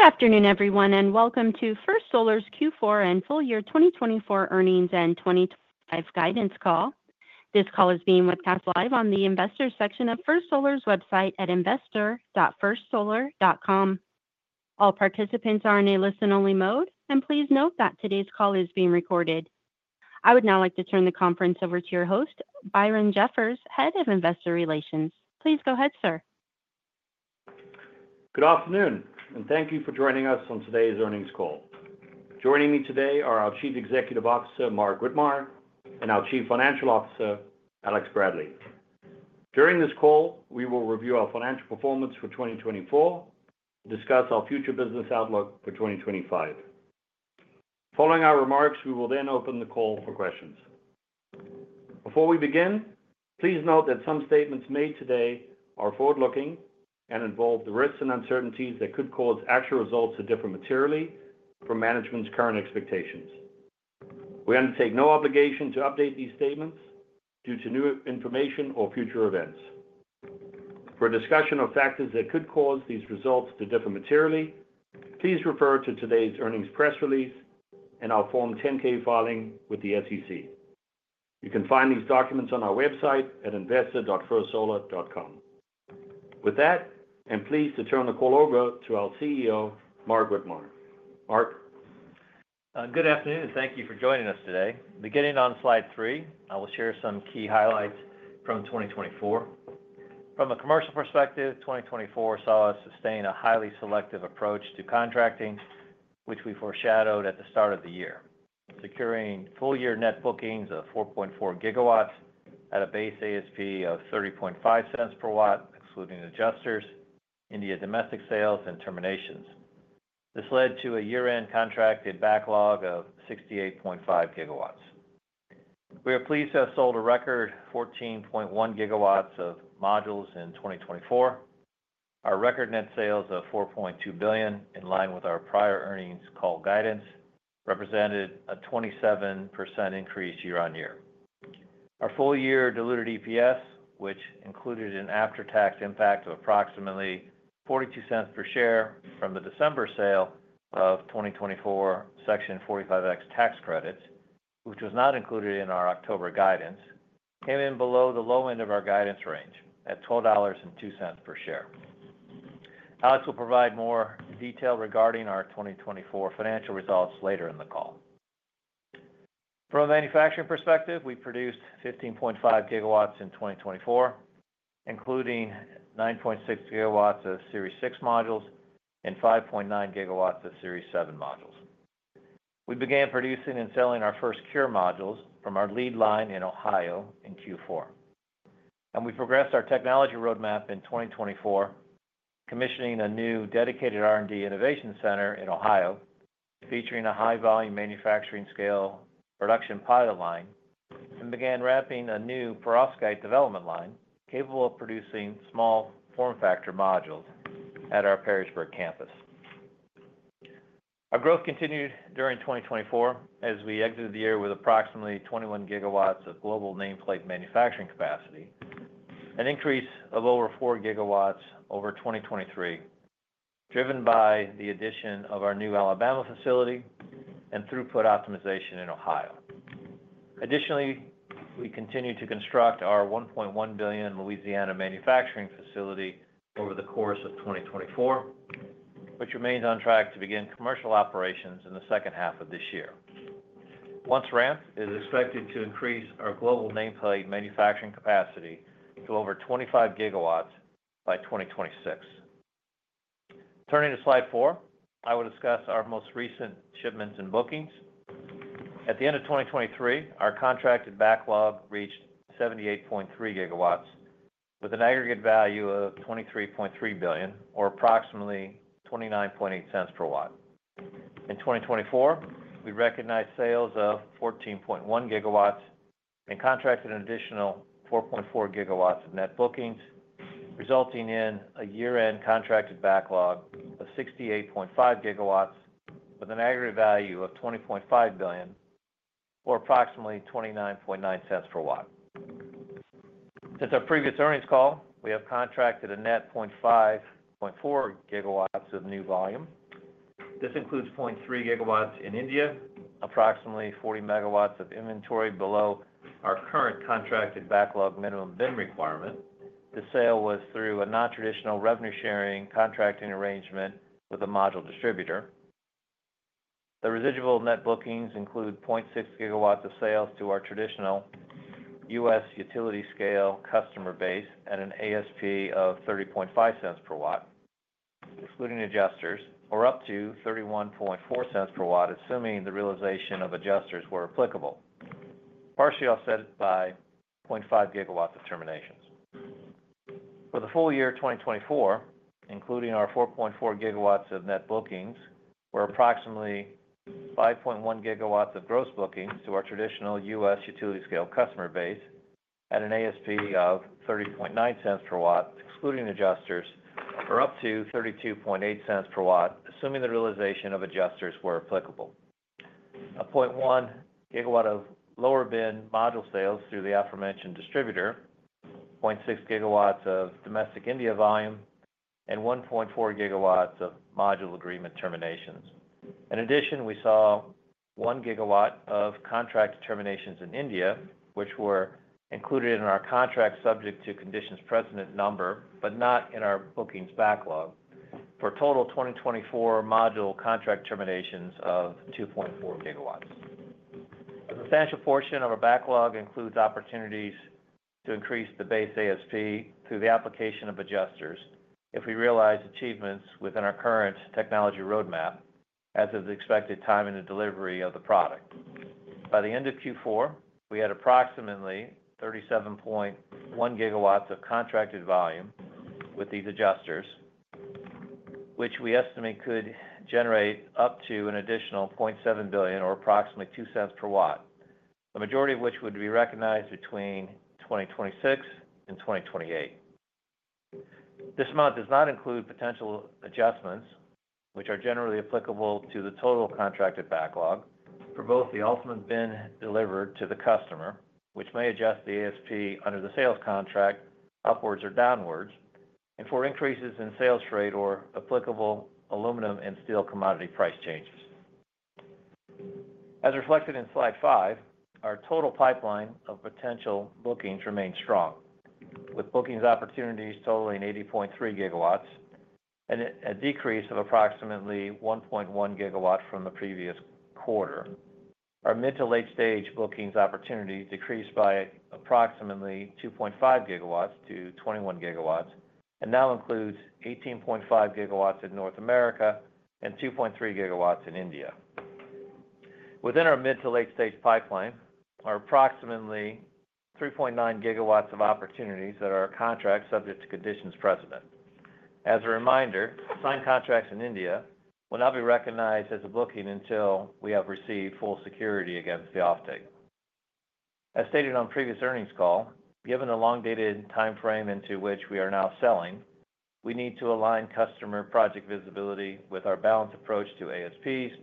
Good afternoon, everyone, and welcome to First Solar's Q4 and full year 2024 earnings and 2025 guidance call. This call is being webcast live on the investor section of First Solar's website at investor.firstsolar.com. All participants are in a listen-only mode, and please note that today's call is being recorded. I would now like to turn the conference over to your host, Byron Jeffers, head of investor relations. Please go ahead, sir. Good afternoon, and thank you for joining us on today's earnings call. Joining me today are our Chief Executive Officer, Mark Widmar, and our Chief Financial Officer, Alex Bradley. During this call, we will review our financial performance for 2024 and discuss our future business outlook for 2025. Following our remarks, we will then open the call for questions. Before we begin, please note that some statements made today are forward-looking and involve the risks and uncertainties that could cause actual results to differ materially from management's current expectations. We undertake no obligation to update these statements due to new information or future events. For a discussion of factors that could cause these results to differ materially, please refer to today's earnings press release and our Form 10-K filing with the SEC. You can find these documents on our website at investor.firstsolar.com. With that, I'm pleased to turn the call over to our CEO, Mark Widmar. Mark. Good afternoon, and thank you for joining us today. Beginning on slide three, I will share some key highlights from 2024. From a commercial perspective, 2024 saw us sustain a highly selective approach to contracting, which we foreshadowed at the start of the year, securing full-year net bookings of 4.4 GW at a base ASP of $0.305 per watt, excluding adjusters, India domestic sales, and terminations. This led to a year-end contracted backlog of 68.5 GW. We are pleased to have sold a record 14.1 GW of modules in 2024. Our record net sales of $4.2 billion, in line with our prior earnings call guidance, represented a 27% increase year-on-year. Our full-year diluted EPS, which included an after-tax impact of approximately $0.42 per share from the December sale of 2024 Section 45X tax credits, which was not included in our October guidance, came in below the low end of our guidance range at $12.02 per share. Alex will provide more detail regarding our 2024 financial results later in the call. From a manufacturing perspective, we produced 15.5 GW in 2024, including 9.6 GW of Series 6 modules and 5.9 GW of Series 7 modules. We began producing and selling our first CuRe modules from our lead line in Ohio in Q4, and we progressed our technology roadmap in 2024, commissioning a new dedicated R&D innovation center in Ohio, featuring a high-volume manufacturing scale production pilot line, and began ramping a new perovskite development line capable of producing small form factor modules at our Perrysburg campus. Our growth continued during 2024 as we exited the year with approximately 21 GW of global nameplate manufacturing capacity, an increase of over 4 GW over 2023, driven by the addition of our new Alabama facility and throughput optimization in Ohio. Additionally, we continue to construct our $1.1 billion Louisiana manufacturing facility over the course of 2024, which remains on track to begin commercial operations in the second half of this year. Once ramped, it is expected to increase our global nameplate manufacturing capacity to over 25 GW by 2026. Turning to slide four, I will discuss our most recent shipments and bookings. At the end of 2023, our contracted backlog reached 78.3 GW with an aggregate value of $23.3 billion, or approximately $0.298 per watt. In 2024, we recognized sales of 14.1 GW and contracted an additional 4.4 GW of net bookings, resulting in a year-end contracted backlog of 68 GW with an aggregate value of $20.5 billion, or approximately $0.299 per watt. Since our previous earnings call, we have contracted a net 0.54 GW of new volume. This includes 0.3 GW in India, approximately 40 megawatts of inventory below our current contracted backlog minimum bin requirement. The sale was through a non-traditional revenue-sharing contracting arrangement with a module distributor. The residual net bookings include 0.6 GW of sales to our traditional U.S. utility-scale customer base at an ASP of $0.305 per watt, excluding adjusters, or up to $0.314 per watt, assuming the realization of adjusters were applicable, partially offset by 0.5 GW of terminations. For the full year 2024, including our 4.4 GW of net bookings, we're approximately 5.1 GW of gross bookings to our traditional U.S. utility-scale customer base at an ASP of $0.309 per watt, excluding adjusters, or up to $0.328 per watt, assuming the realization of adjusters were applicable, a 0.1 gigawatt of lower bin module sales through the aforementioned distributor, 0.6 GW of domestic India volume, and 1.4 GW of module agreement terminations. In addition, we saw 1 gigawatt of contract terminations in India, which were included in our contract subject to conditions precedent number, but not in our bookings backlog, for a total of 2024 module contract terminations of 2.4 GW. A substantial portion of our backlog includes opportunities to increase the base ASP through the application of adjusters if we realize achievements within our current technology roadmap as of the expected timing of delivery of the product. By the end of Q4, we had approximately 37.1 GW of contracted volume with these adjusters, which we estimate could generate up to an additional $0.7 billion, or approximately $0.02 per watt, the majority of which would be recognized between 2026 and 2028. This amount does not include potential adjustments, which are generally applicable to the total contracted backlog for both the ultimate bin delivered to the customer, which may adjust the ASP under the sales contract upwards or downwards, and for increases in sales freight or applicable aluminum and steel commodity price changes. As reflected in slide five, our total pipeline of potential bookings remained strong, with bookings opportunities totaling 80.3 GW and a decrease of approximately 1.1 GW from the previous quarter. Our mid- to late-stage bookings opportunity decreased by approximately 2.5 GW-21 GW and now includes 18.5 GW in North America and 2.3 GW in India. Within our mid- to late-stage pipeline are approximately 3.9 GW of opportunities that are contract subject to conditions precedent. As a reminder, signed contracts in India will not be recognized as a booking until we have received full security against the offtake. As stated on previous earnings call, given the long-dated timeframe into which we are now selling, we need to align customer project visibility with our balanced approach to ASPs,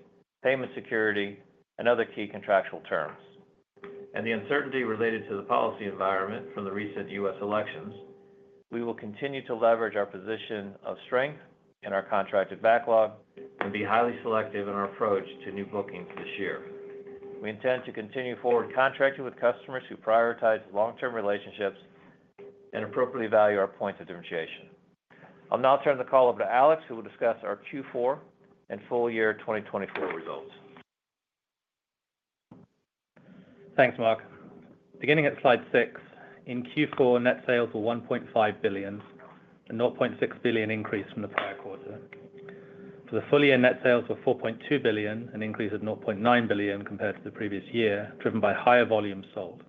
payment security, and other key contractual terms. And the uncertainty related to the policy environment from the recent U.S. Elections, we will continue to leverage our position of strength in our contracted backlog and be highly selective in our approach to new bookings this year. We intend to continue forward contracting with customers who prioritize long-term relationships and appropriately value our points of differentiation. I'll now turn the call over to Alex, who will discuss our Q4 and full year 2024 results. Thanks, Mark. Beginning at slide six, in Q4, net sales were $1.5 billion, a $0.6 billion increase from the prior quarter. For the full year, net sales were $4.2 billion, an increase of $0.9 billion compared to the previous year, driven by higher volumes sold.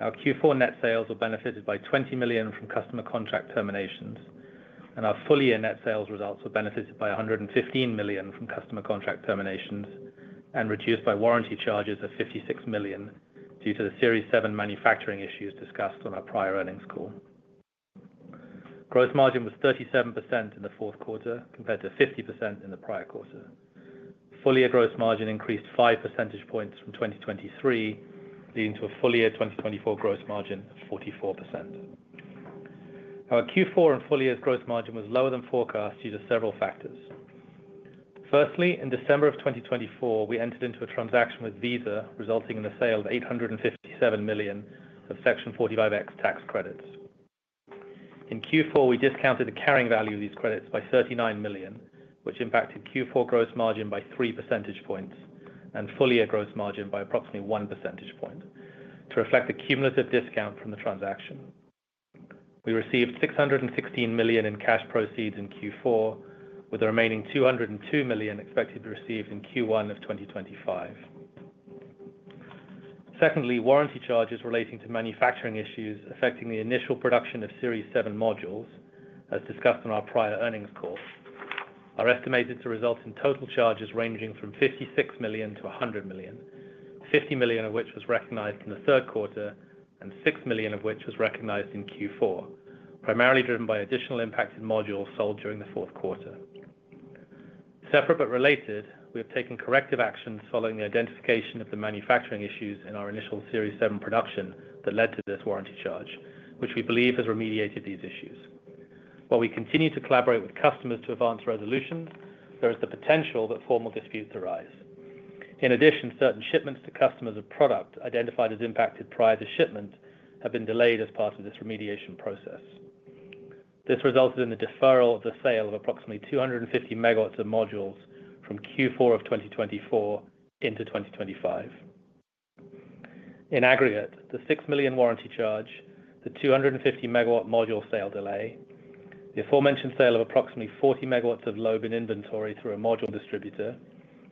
Our Q4 net sales were benefited by $20 million from customer contract terminations, and our full year net sales results were benefited by $115 million from customer contract terminations and reduced by warranty charges of $56 million due to the Series 7 manufacturing issues discussed on our prior earnings call. Gross margin was 37% in the fourth quarter compared to 50% in the prior quarter. Full year gross margin increased 5 percentage points from 2023, leading to a full year 2024 gross margin of 44%. Our Q4 and full year's gross margin was lower than forecast due to several factors. Firstly, in December of 2024, we entered into a transaction with Fiserv, resulting in a sale of $857 million of Section 45X tax credits. In Q4, we discounted the carrying value of these credits by $39 million, which impacted Q4 gross margin by 3 percentage points and full year gross margin by approximately 1 percentage point to reflect the cumulative discount from the transaction. We received $616 million in cash proceeds in Q4, with the remaining $202 million expected to be received in Q1 of 2025. Secondly, warranty charges relating to manufacturing issues affecting the initial production of Series 7 modules, as discussed on our prior earnings call, are estimated to result in total charges ranging from $56 million-$100 million, $50 million of which was recognized in the third quarter and $6 million of which was recognized in Q4, primarily driven by additional impacted modules sold during the fourth quarter. Separate but related, we have taken corrective actions following the identification of the manufacturing issues in our initial Series 7 production that led to this warranty charge, which we believe has remediated these issues. While we continue to collaborate with customers to advance resolution, there is the potential that formal disputes arise. In addition, certain shipments to customers of product identified as impacted prior to shipment have been delayed as part of this remediation process. This resulted in the deferral of the sale of approximately 250 megawatts of modules from Q4 of 2024 into 2025. In aggregate, the $6 million warranty charge, the 250 megawatt module sale delay, the aforementioned sale of approximately 40 megawatts of low bin inventory through a module distributor,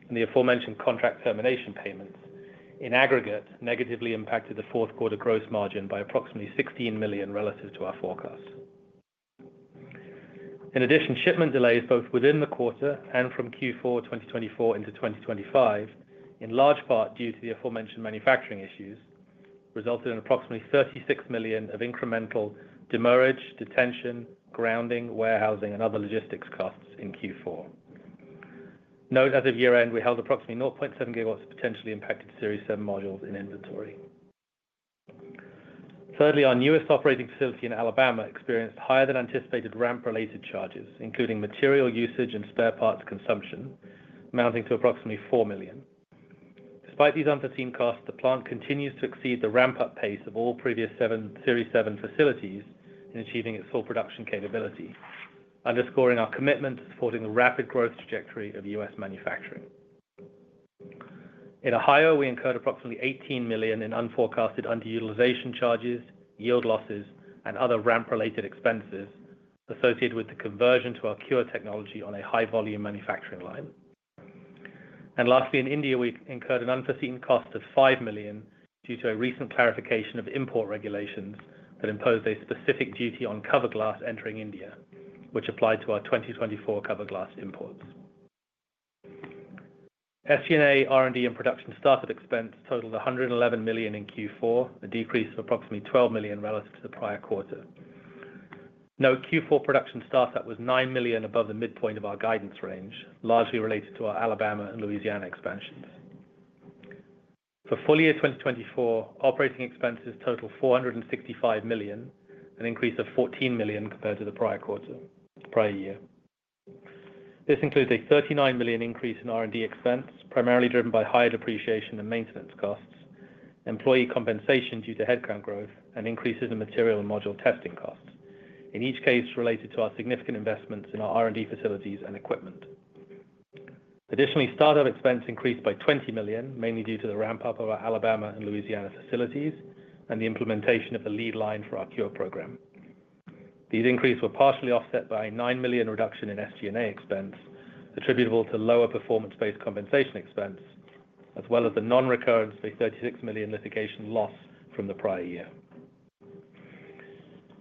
and the aforementioned contract termination payments, in aggregate, negatively impacted the fourth quarter gross margin by approximately $16 million relative to our forecast. In addition, shipment delays both within the quarter and from Q4 2024 into 2025, in large part due to the aforementioned manufacturing issues, resulted in approximately $36 million of incremental demurrage, detention, grounding, warehousing, and other logistics costs in Q4. Note as of year-end, we held approximately 0.7 GW of potentially impacted Series 7 modules in inventory. Thirdly, our newest operating facility in Alabama experienced higher-than-anticipated ramp-related charges, including material usage and spare parts consumption, amounting to approximately $4 million. Despite these unforeseen costs, the plant continues to exceed the ramp-up pace of all previous Series 7 facilities in achieving its full production capability, underscoring our commitment to supporting the rapid growth trajectory of U.S. manufacturing. In Ohio, we incurred approximately $18 million in unforecasted underutilization charges, yield losses, and other ramp-related expenses associated with the conversion to our CuRe technology on a high-volume manufacturing line. And lastly, in India, we incurred an unforeseen cost of $5 million due to a recent clarification of import regulations that imposed a specific duty on cover glass entering India, which applied to our 2024 cover glass imports. SG&A R&D and production startup expense totaled $111 million in Q4, a decrease of approximately $12 million relative to the prior quarter. Note Q4 production startup was nine million above the midpoint of our guidance range, largely related to our Alabama and Louisiana expansions. For full year 2024, operating expenses totaled $465 million, an increase of $14 million compared to the prior quarter, prior year. This includes a $39 million increase in R&D expense, primarily driven by higher depreciation and maintenance costs, employee compensation due to headcount growth, and increases in material and module testing costs, in each case related to our significant investments in our R&D facilities and equipment. Additionally, startup expense increased by $20 million, mainly due to the ramp-up of our Alabama and Louisiana facilities and the implementation of the lead line for our CuRe program. These increases were partially offset by a $9 million reduction in SG&A expense attributable to lower performance-based compensation expense, as well as the non-recurrence of a $36 million litigation loss from the prior year.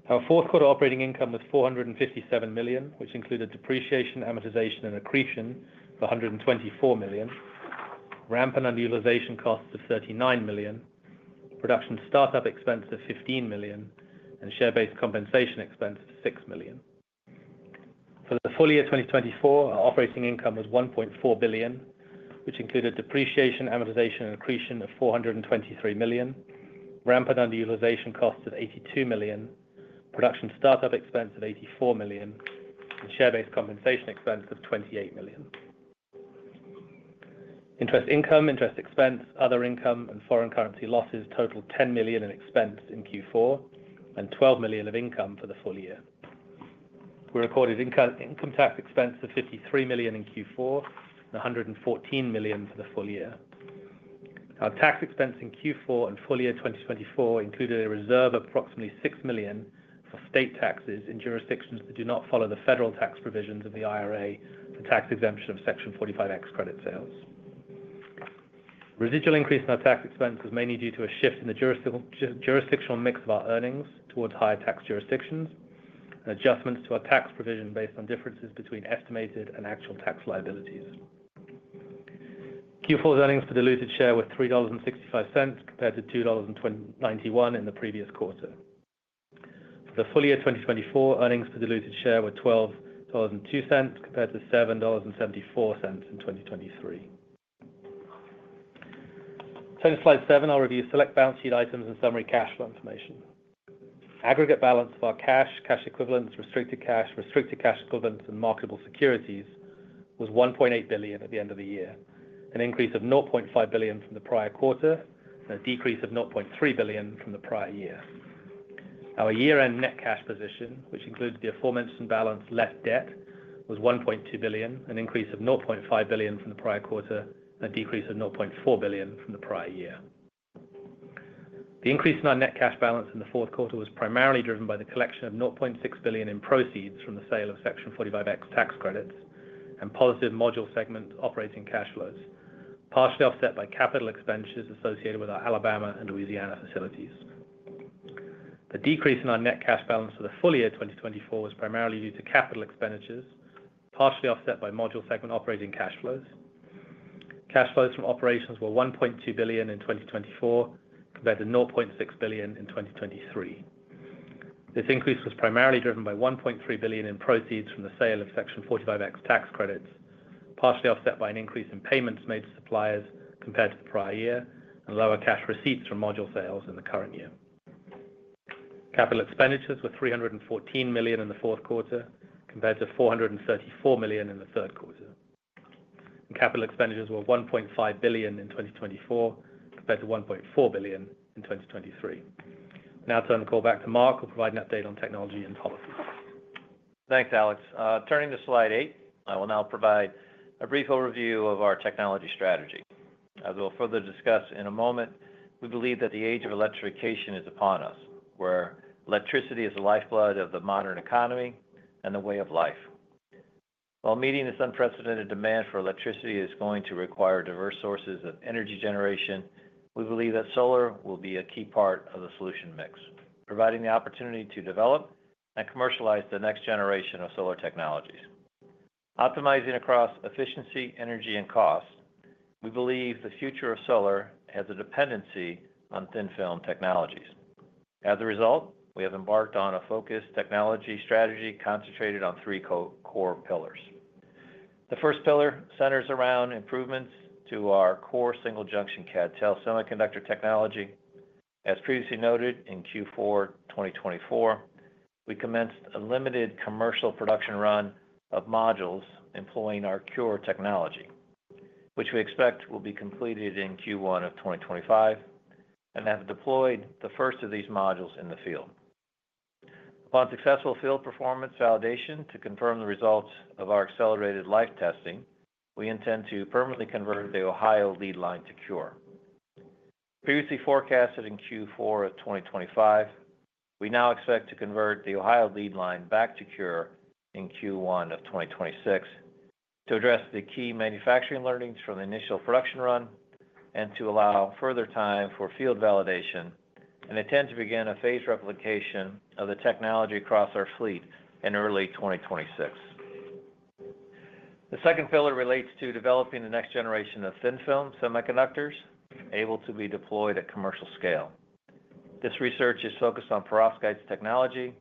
Our fourth quarter operating income was $457 million, which included depreciation, amortization, and accretion for $124 million, ramp and underutilization costs of $39 million, production startup expense of $15 million, and share-based compensation expense of $6 million. For the full year 2024, our operating income was $1.4 billion, which included depreciation, amortization, and accretion of $423 million, ramp and underutilization costs of $82 million, production startup expense of $84 million, and share-based compensation expense of $28 million. Interest income, interest expense, other income, and foreign currency losses totaled $10 million in expense in Q4 and $12 million of income for the full year. We recorded income tax expense of $53 million in Q4 and $114 million for the full year. Our tax expense in Q4 and full year 2024 included a reserve of approximately $6 million for state taxes in jurisdictions that do not follow the federal tax provisions of the IRA for tax exemption of Section 45X credit sales. Residual increase in our tax expenses is mainly due to a shift in the jurisdictional mix of our earnings towards higher tax jurisdictions and adjustments to our tax provision based on differences between estimated and actual tax liabilities. Q4's earnings per diluted share were $3.65 compared to $2.91 in the previous quarter. For the full year 2024, earnings per diluted share were $12.02 compared to $7.74 in 2023. Turning to slide seven, I'll review select balance sheet items and summary cash flow information. Aggregate balance of our cash, cash equivalents, restricted cash, restricted cash equivalents, and marketable securities was $1.8 billion at the end of the year, an increase of $0.5 billion from the prior quarter and a decrease of $0.3 billion from the prior year. Our year-end net cash position, which included the aforementioned balance less debt, was $1.2 billion, an increase of $0.5 billion from the prior quarter and a decrease of $0.4 billion from the prior year. The increase in our net cash balance in the fourth quarter was primarily driven by the collection of $0.6 billion in proceeds from the sale of Section 45X tax credits and positive module segment operating cash flows, partially offset by capital expenditures associated with our Alabama and Louisiana facilities. The decrease in our net cash balance for the full year 2024 was primarily due to capital expenditures, partially offset by module segment operating cash flows. Cash flows from operations were $1.2 billion in 2024 compared to $0.6 billion in 2023. This increase was primarily driven by $1.3 billion in proceeds from the sale of Section 45X tax credits, partially offset by an increase in payments made to suppliers compared to the prior year and lower cash receipts from module sales in the current year. Capital expenditures were $314 million in the fourth quarter compared to $434 million in the third quarter. Capital expenditures were $1.5 billion in 2024 compared to $1.4 billion in 2023. Now, I'll turn the call back to Mark who will provide an update on technology and policy. Thanks, Alex. Turning to slide eight, I will now provide a brief overview of our technology strategy. As we'll further discuss in a moment, we believe that the age of electrification is upon us, where electricity is the lifeblood of the modern economy and the way of life. While meeting this unprecedented demand for electricity is going to require diverse sources of energy generation, we believe that solar will be a key part of the solution mix, providing the opportunity to develop and commercialize the next generation of solar technologies. Optimizing across efficiency, energy, and cost, we believe the future of solar has a dependency on thin film technologies. As a result, we have embarked on a focused technology strategy concentrated on three core pillars. The first pillar centers around improvements to our core single junction CadTel semiconductor technology. As previously noted in Q4 2024, we commenced a limited commercial production run of modules employing our CuRe technology, which we expect will be completed in Q1 of 2025 and have deployed the first of these modules in the field. Upon successful field performance validation to confirm the results of our accelerated life testing, we intend to permanently convert the Ohio lead line to CuRe. Previously forecasted in Q4 of 2025, we now expect to convert the Ohio lead line back to CuRe in Q1 of 2026 to address the key manufacturing learnings from the initial production run and to allow further time for field validation and intend to begin a phased replication of the technology across our fleet in early 2026. The second pillar relates to developing the next generation of thin-film semiconductors able to be deployed at commercial scale. This research is focused on perovskite technology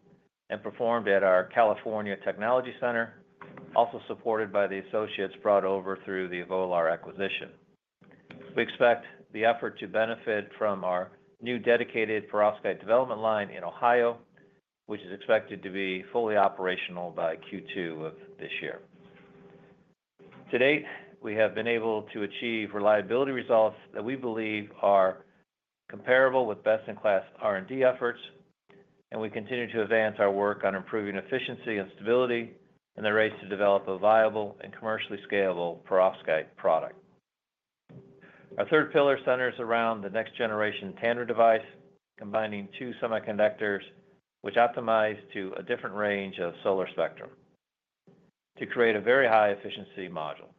and performed at our California Technology Center, also supported by the associates brought over through the Evolar acquisition. We expect the effort to benefit from our new dedicated perovskite development line in Ohio, which is expected to be fully operational by Q2 of this year. To date, we have been able to achieve reliability results that we believe are comparable with best-in-class R&D efforts, and we continue to advance our work on improving efficiency and stability in the race to develop a viable and commercially scalable perovskite product. Our third pillar centers around the next generation tandem device, combining two semiconductors which optimize to a different range of solar spectrum to create a very high-efficiency module.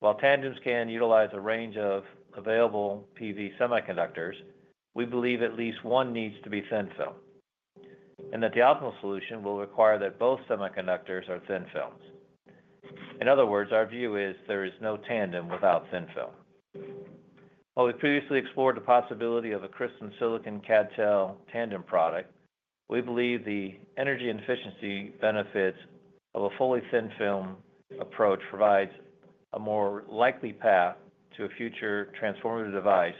While tandems can utilize a range of available PV semiconductors, we believe at least one needs to be thin film and that the optimal solution will require that both semiconductors are thin films. In other words, our view is there is no tandem without thin film. While we previously explored the possibility of a crystalline silicon CadTel tandem product, we believe the energy and efficiency benefits of a fully thin film approach provide a more likely path to a future transformative device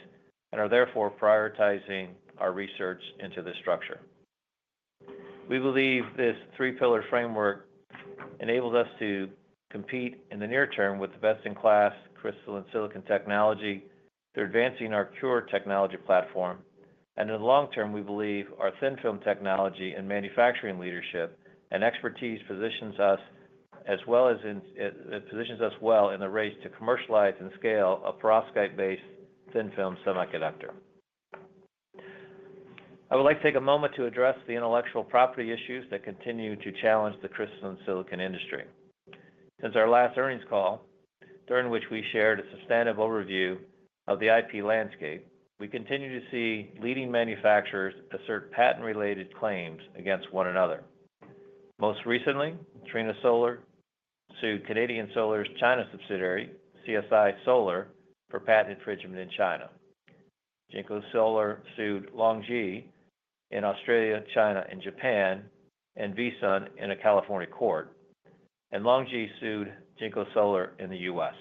and are therefore prioritizing our research into this structure. We believe this three-pillar framework enables us to compete in the near term with the best-in-class crystalline silicon technology through advancing our CuRe technology platform, and in the long term, we believe our thin film technology and manufacturing leadership and expertise positions us as well as positions us well in the race to commercialize and scale a perovskite-based thin film semiconductor. I would like to take a moment to address the intellectual property issues that continue to challenge the crystalline silicon industry. Since our last earnings call, during which we shared a substantive overview of the IP landscape, we continue to see leading manufacturers assert patent-related claims against one another. Most recently, Trina Solar sued Canadian Solar's China subsidiary, CSI Solar, for patent infringement in China. JinkoSolar sued LONGi in Australia, China, and Japan, and VSUN in a California court. LONGi sued JinkoSolar in the U.S.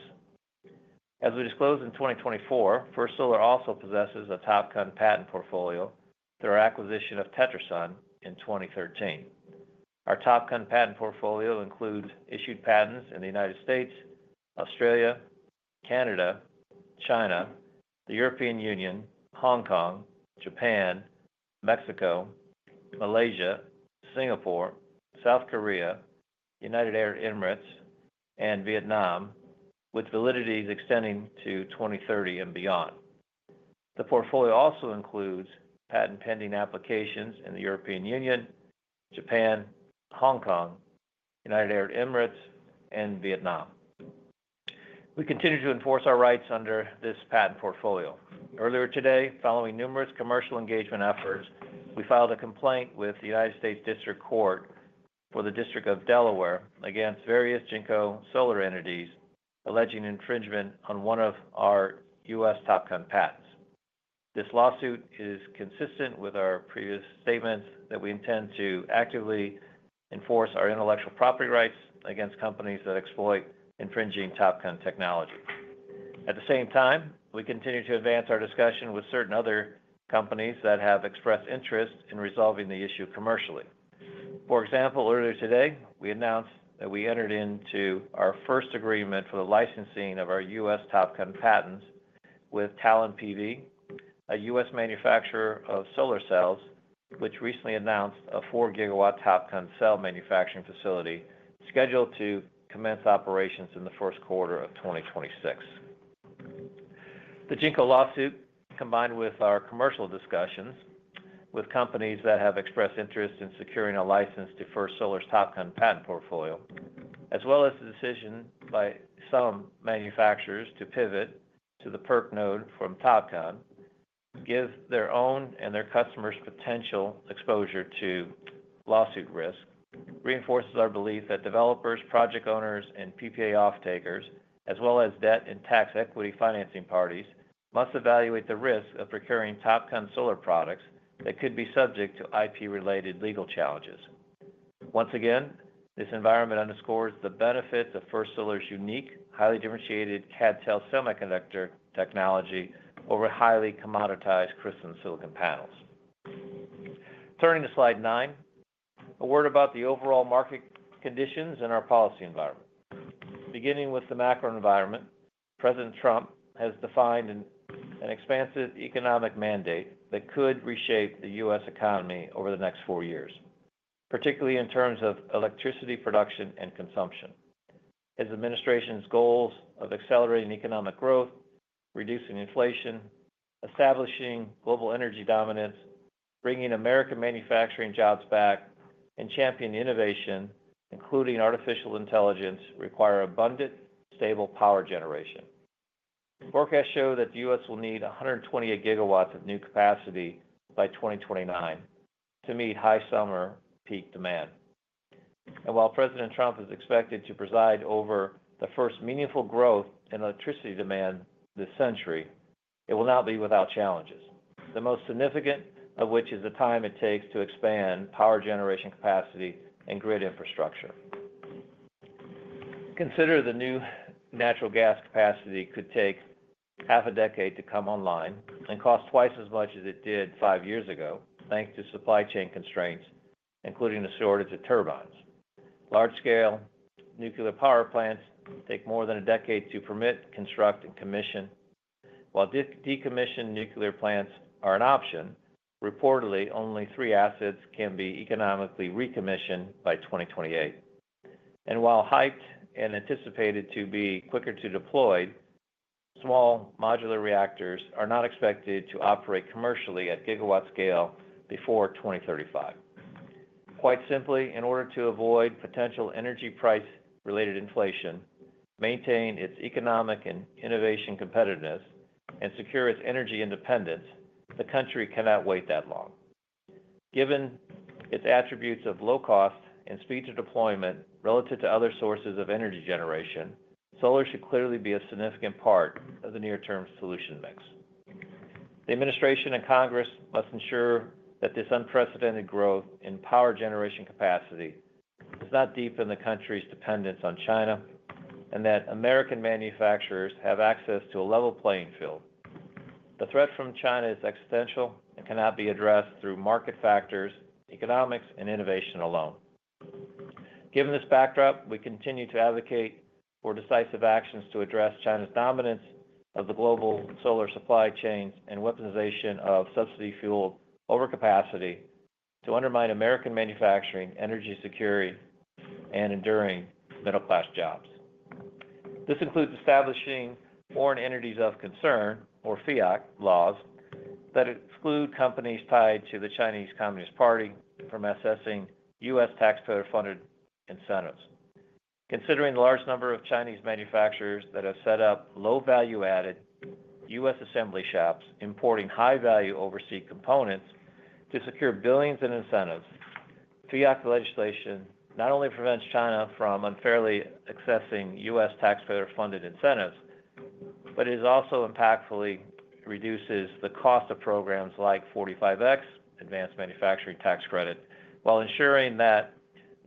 As we disclosed in 2024, First Solar also possesses a TOPCon patent portfolio through our acquisition of TetraSun in 2013. Our TOPCon patent portfolio includes issued patents in the United States, Australia, Canada, China, the European Union, Hong Kong, Japan, Mexico, Malaysia, Singapore, South Korea, United Arab Emirates, and Vietnam, with validities extending to 2030 and beyond. The portfolio also includes patent-pending applications in the European Union, Japan, Hong Kong, United Arab Emirates, and Vietnam. We continue to enforce our rights under this patent portfolio. Earlier today, following numerous commercial engagement efforts, we filed a complaint with the United States District Court for the District of Delaware against various JinkoSolar entities alleging infringement on one of our U.S. TOPCon patents. This lawsuit is consistent with our previous statements that we intend to actively enforce our intellectual property rights against companies that exploit infringing TOPCon technology. At the same time, we continue to advance our discussion with certain other companies that have expressed interest in resolving the issue commercially. For example, earlier today, we announced that we entered into our first agreement for the licensing of our U.S. TOPCon patents with Talon PV, a U.S. manufacturer of solar cells, which recently announced a four-gigawatt TOPCon cell manufacturing facility scheduled to commence operations in the first quarter of 2026. The Jinko lawsuit, combined with our commercial discussions with companies that have expressed interest in securing a license to First Solar's TOPCon patent portfolio, as well as the decision by some manufacturers to pivot to the PERC node from TOPCon, gives their own and their customers' potential exposure to lawsuit risk, reinforces our belief that developers, project owners, and PPA off-takers, as well as debt and tax equity financing parties, must evaluate the risk of procuring TOPCon solar products that could be subject to IP-related legal challenges. Once again, this environment underscores the benefits of First Solar's unique, highly differentiated CadTel semiconductor technology over highly commoditized crystalline silicon panels. Turning to slide nine, a word about the overall market conditions and our policy environment. Beginning with the macro environment, President Trump has defined an expansive economic mandate that could reshape the U.S. economy over the next four years, particularly in terms of electricity production and consumption. His administration's goals of accelerating economic growth, reducing inflation, establishing global energy dominance, bringing American manufacturing jobs back, and championing innovation, including artificial intelligence, require abundant, stable power generation. Forecasts show that the U.S. will need 128 GW of new capacity by 2029 to meet high summer peak demand. While President Trump is expected to preside over the first meaningful growth in electricity demand this century, it will not be without challenges, the most significant of which is the time it takes to expand power generation capacity and grid infrastructure. Consider, the new natural gas capacity could take half a decade to come online and cost twice as much as it did five years ago, thanks to supply chain constraints, including the shortage of turbines. Large-scale nuclear power plants take more than a decade to permit, construct, and commission. While decommissioned nuclear plants are an option, reportedly only three assets can be economically recommissioned by 2028. While hyped and anticipated to be quicker to deploy, small modular reactors are not expected to operate commercially at gigawatt scale before 2035. Quite simply, in order to avoid potential energy price-related inflation, maintain its economic and innovation competitiveness, and secure its energy independence, the country cannot wait that long. Given its attributes of low cost and speed to deployment relative to other sources of energy generation, solar should clearly be a significant part of the near-term solution mix. The administration and Congress must ensure that this unprecedented growth in power generation capacity does not deepen the country's dependence on China and that American manufacturers have access to a level playing field. The threat from China is existential and cannot be addressed through market factors, economics, and innovation alone. Given this backdrop, we continue to advocate for decisive actions to address China's dominance of the global solar supply chains and weaponization of subsidy fuel overcapacity to undermine American manufacturing, energy security, and enduring middle-class jobs. This includes establishing Foreign Entities of Concern, or FEOC laws, that exclude companies tied to the Chinese Communist Party from accessing U.S. taxpayer-funded incentives. Considering the large number of Chinese manufacturers that have set up low-value-added U.S. assembly shops importing high-value overseas components to secure billions in incentives, FEOC legislation not only prevents China from unfairly accessing U.S. taxpayer-funded incentives, but it also impactfully reduces the cost of programs like 45X, Advanced Manufacturing Tax Credit, while ensuring that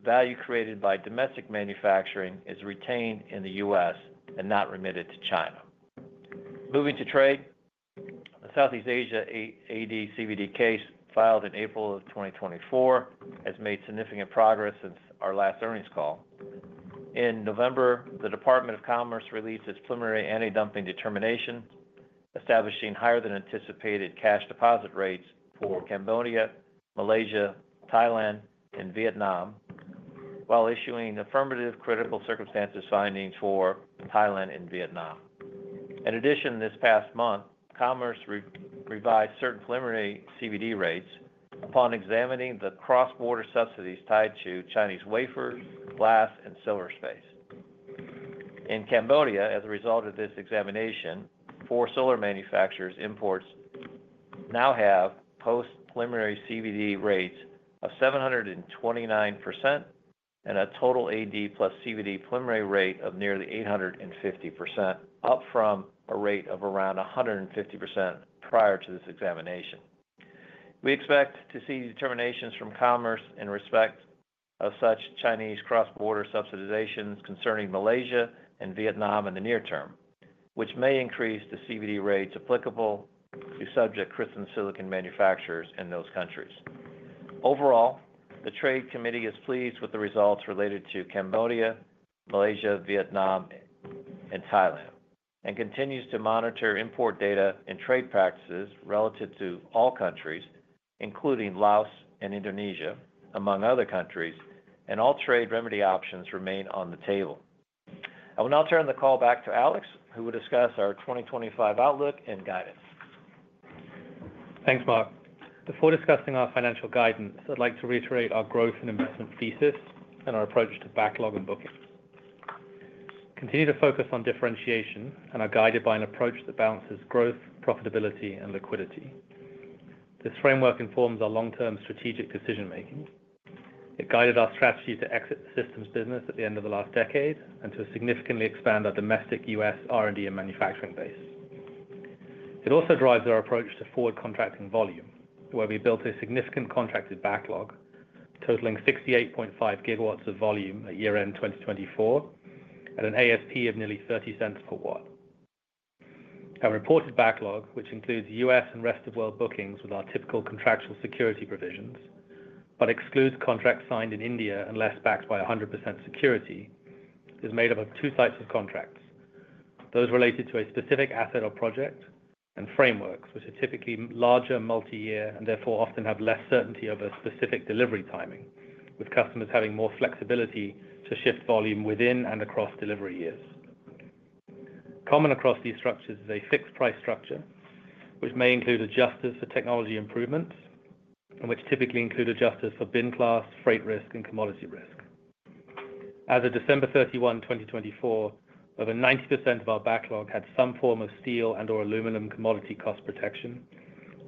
value created by domestic manufacturing is retained in the U.S. and not remitted to China. Moving to trade, the Southeast Asia AD/CVD case filed in April of 2024 has made significant progress since our last earnings call. In November, the Department of Commerce released its preliminary anti-dumping determination, establishing higher-than-anticipated cash deposit rates for Cambodia, Malaysia, Thailand, and Vietnam, while issuing affirmative critical circumstances findings for Thailand and Vietnam. In addition, this past month, Commerce revised certain preliminary CVD rates upon examining the cross-border subsidies tied to Chinese wafers, glass, and solar cells. In Cambodia, as a result of this examination, four solar manufacturers' imports now have post-preliminary CVD rates of 729% and a total AD plus CVD preliminary rate of nearly 850%, up from a rate of around 150% prior to this examination. We expect to see determinations from Commerce in respect of such Chinese cross-border subsidizations concerning Malaysia and Vietnam in the near term, which may increase the CVD rates applicable to subject crystalline silicon manufacturers in those countries. Overall, the Trade Committee is pleased with the results related to Cambodia, Malaysia, Vietnam, and Thailand, and continues to monitor import data and trade practices relative to all countries, including Laos and Indonesia, among other countries, and all trade remedy options remain on the table. I will now turn the call back to Alex, who will discuss our 2025 outlook and guidance. Thanks, Mark. Before discussing our financial guidance, I'd like to reiterate our growth and investment thesis and our approach to backlog and booking. Continue to focus on differentiation and are guided by an approach that balances growth, profitability, and liquidity. This framework informs our long-term strategic decision-making. It guided our strategy to exit the systems business at the end of the last decade and to significantly expand our domestic U.S. R&D and manufacturing base. It also drives our approach to forward contracting volume, where we built a significant contracted backlog totaling 68.5 GW of volume at an ASP of nearly $0.30 per watt. Our reported backlog, which includes U.S. and rest of world bookings with our typical contractual security provisions, but excludes contracts signed in India unless backed by 100% security, is made up of two types of contracts: those related to a specific asset or project and frameworks, which are typically larger, multi-year, and therefore often have less certainty over specific delivery timing, with customers having more flexibility to shift volume within and across delivery years. Common across these structures is a fixed-price structure, which may include adjusters for technology improvements, and which typically include adjusters for bin class, freight risk, and commodity risk. As of December 31, 2024, over 90% of our backlog had some form of steel and/or aluminum commodity cost protection,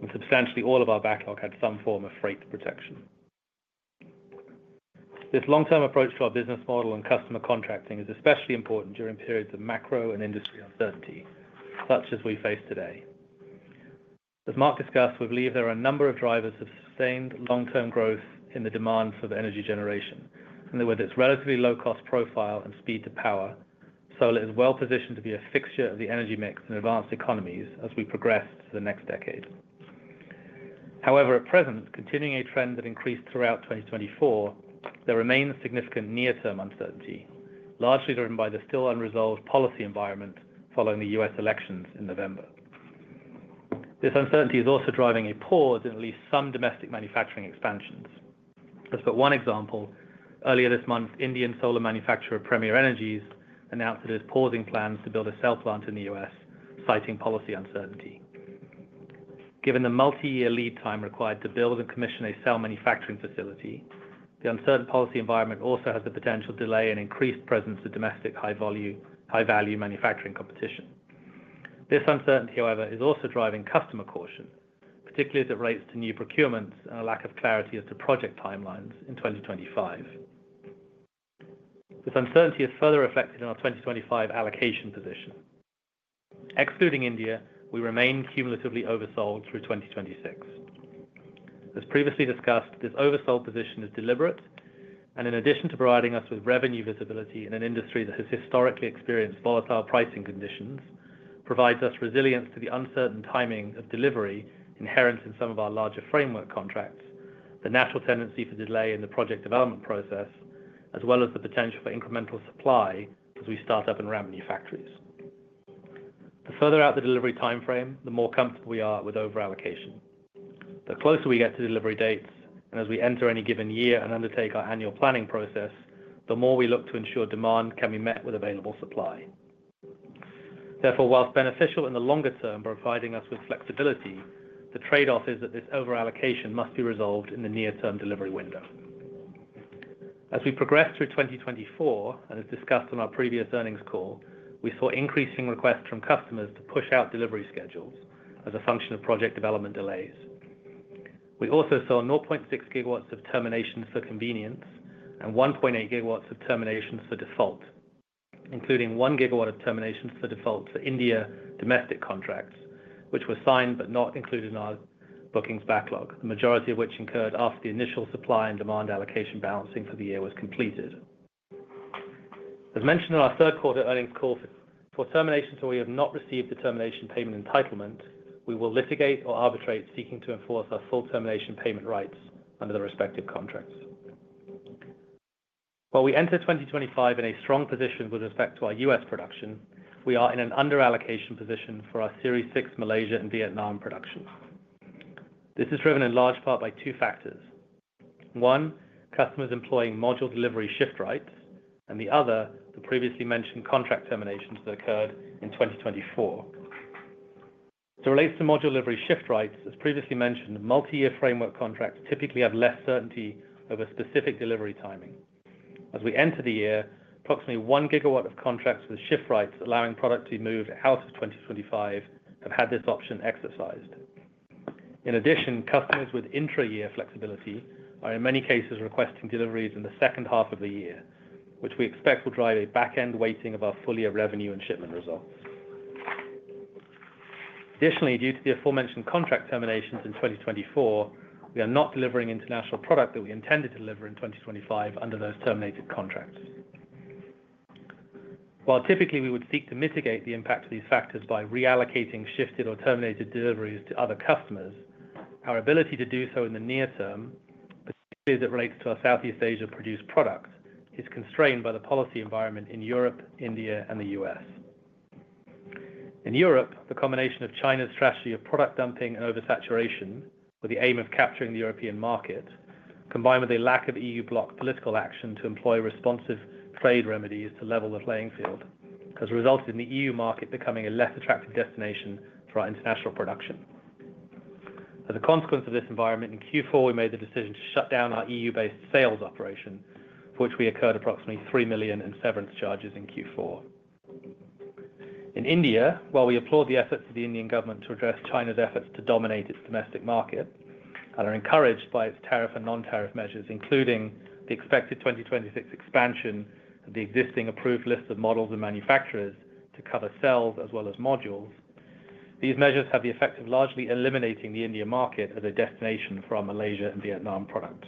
and substantially all of our backlog had some form of freight protection. This long-term approach to our business model and customer contracting is especially important during periods of macro and industry uncertainty, such as we face today. As Mark discussed, we believe there are a number of drivers of sustained long-term growth in the demand for energy generation, and that with its relatively low-cost profile and speed to power, solar is well-positioned to be a fixture of the energy mix in advanced economies as we progress to the next decade. However, at present, continuing a trend that increased throughout 2024, there remains significant near-term uncertainty, largely driven by the still unresolved policy environment following the U.S. elections in November. This uncertainty is also driving a pause in at least some domestic manufacturing expansions. As for one example, earlier this month, Indian solar manufacturer Premier Energies announced that it is pausing plans to build a cell plant in the U.S., citing policy uncertainty. Given the multi-year lead time required to build and commission a cell manufacturing facility, the uncertain policy environment also has the potential to delay an increased presence of domestic high-value manufacturing competition. This uncertainty, however, is also driving customer caution, particularly as it relates to new procurements and a lack of clarity as to project timelines in 2025. This uncertainty is further reflected in our 2025 allocation position. Excluding India, we remain cumulatively oversold through 2026. As previously discussed, this oversold position is deliberate, and in addition to providing us with revenue visibility in an industry that has historically experienced volatile pricing conditions, provides us resilience to the uncertain timing of delivery inherent in some of our larger framework contracts, the natural tendency for delay in the project development process, as well as the potential for incremental supply as we start up and run manufacturing. The further out the delivery timeframe, the more comfortable we are with overallocation. The closer we get to delivery dates, and as we enter any given year and undertake our annual planning process, the more we look to ensure demand can be met with available supply. Therefore, while beneficial in the longer term by providing us with flexibility, the trade-off is that this overallocation must be resolved in the near-term delivery window. As we progress through 2024, and as discussed on our previous earnings call, we saw increasing requests from customers to push out delivery schedules as a function of project development delays. We also saw 0.6 GW of terminations for convenience and 1.8 GW of terminations for default, including 1 gigawatt of terminations for default for India domestic contracts, which were signed but not included in our bookings backlog, the majority of which incurred after the initial supply and demand allocation balancing for the year was completed. As mentioned in our third quarter earnings call, for terminations where we have not received the termination payment entitlement, we will litigate or arbitrate seeking to enforce our full termination payment rights under the respective contracts. While we enter 2025 in a strong position with respect to our U.S. production, we are in an under-allocation position for our Series 6 Malaysia and Vietnam production. This is driven in large part by two factors: one, customers employing module delivery shift rights, and the other, the previously mentioned contract terminations that occurred in 2024. As it relates to module delivery shift rights, as previously mentioned, multi-year framework contracts typically have less certainty over specific delivery timing. As we enter the year, approximately one gigawatt of contracts with shift rights allowing product to be moved out of 2025 have had this option exercised. In addition, customers with intra-year flexibility are in many cases requesting deliveries in the second half of the year, which we expect will drive a back-end weighting of our full-year revenue and shipment results. Additionally, due to the aforementioned contract terminations in 2024, we are not delivering international product that we intended to deliver in 2025 under those terminated contracts. While typically we would seek to mitigate the impact of these factors by reallocating shifted or terminated deliveries to other customers, our ability to do so in the near term, particularly as it relates to our Southeast Asia-produced product, is constrained by the policy environment in Europe, India, and the U.S. In Europe, the combination of China's strategy of product dumping and oversaturation with the aim of capturing the European market, combined with a lack of EU bloc political action to employ responsive trade remedies to level the playing field, has resulted in the EU market becoming a less attractive destination for our international production. As a consequence of this environment, in Q4, we made the decision to shut down our EU-based sales operation, for which we incurred approximately $3 million in severance charges in Q4. In India, while we applaud the efforts of the Indian government to address China's efforts to dominate its domestic market and are encouraged by its tariff and non-tariff measures, including the expected 2026 expansion of the existing Approved List of Models and Manufacturers to cover cells as well as modules, these measures have the effect of largely eliminating the Indian market as a destination for our Malaysia and Vietnam product.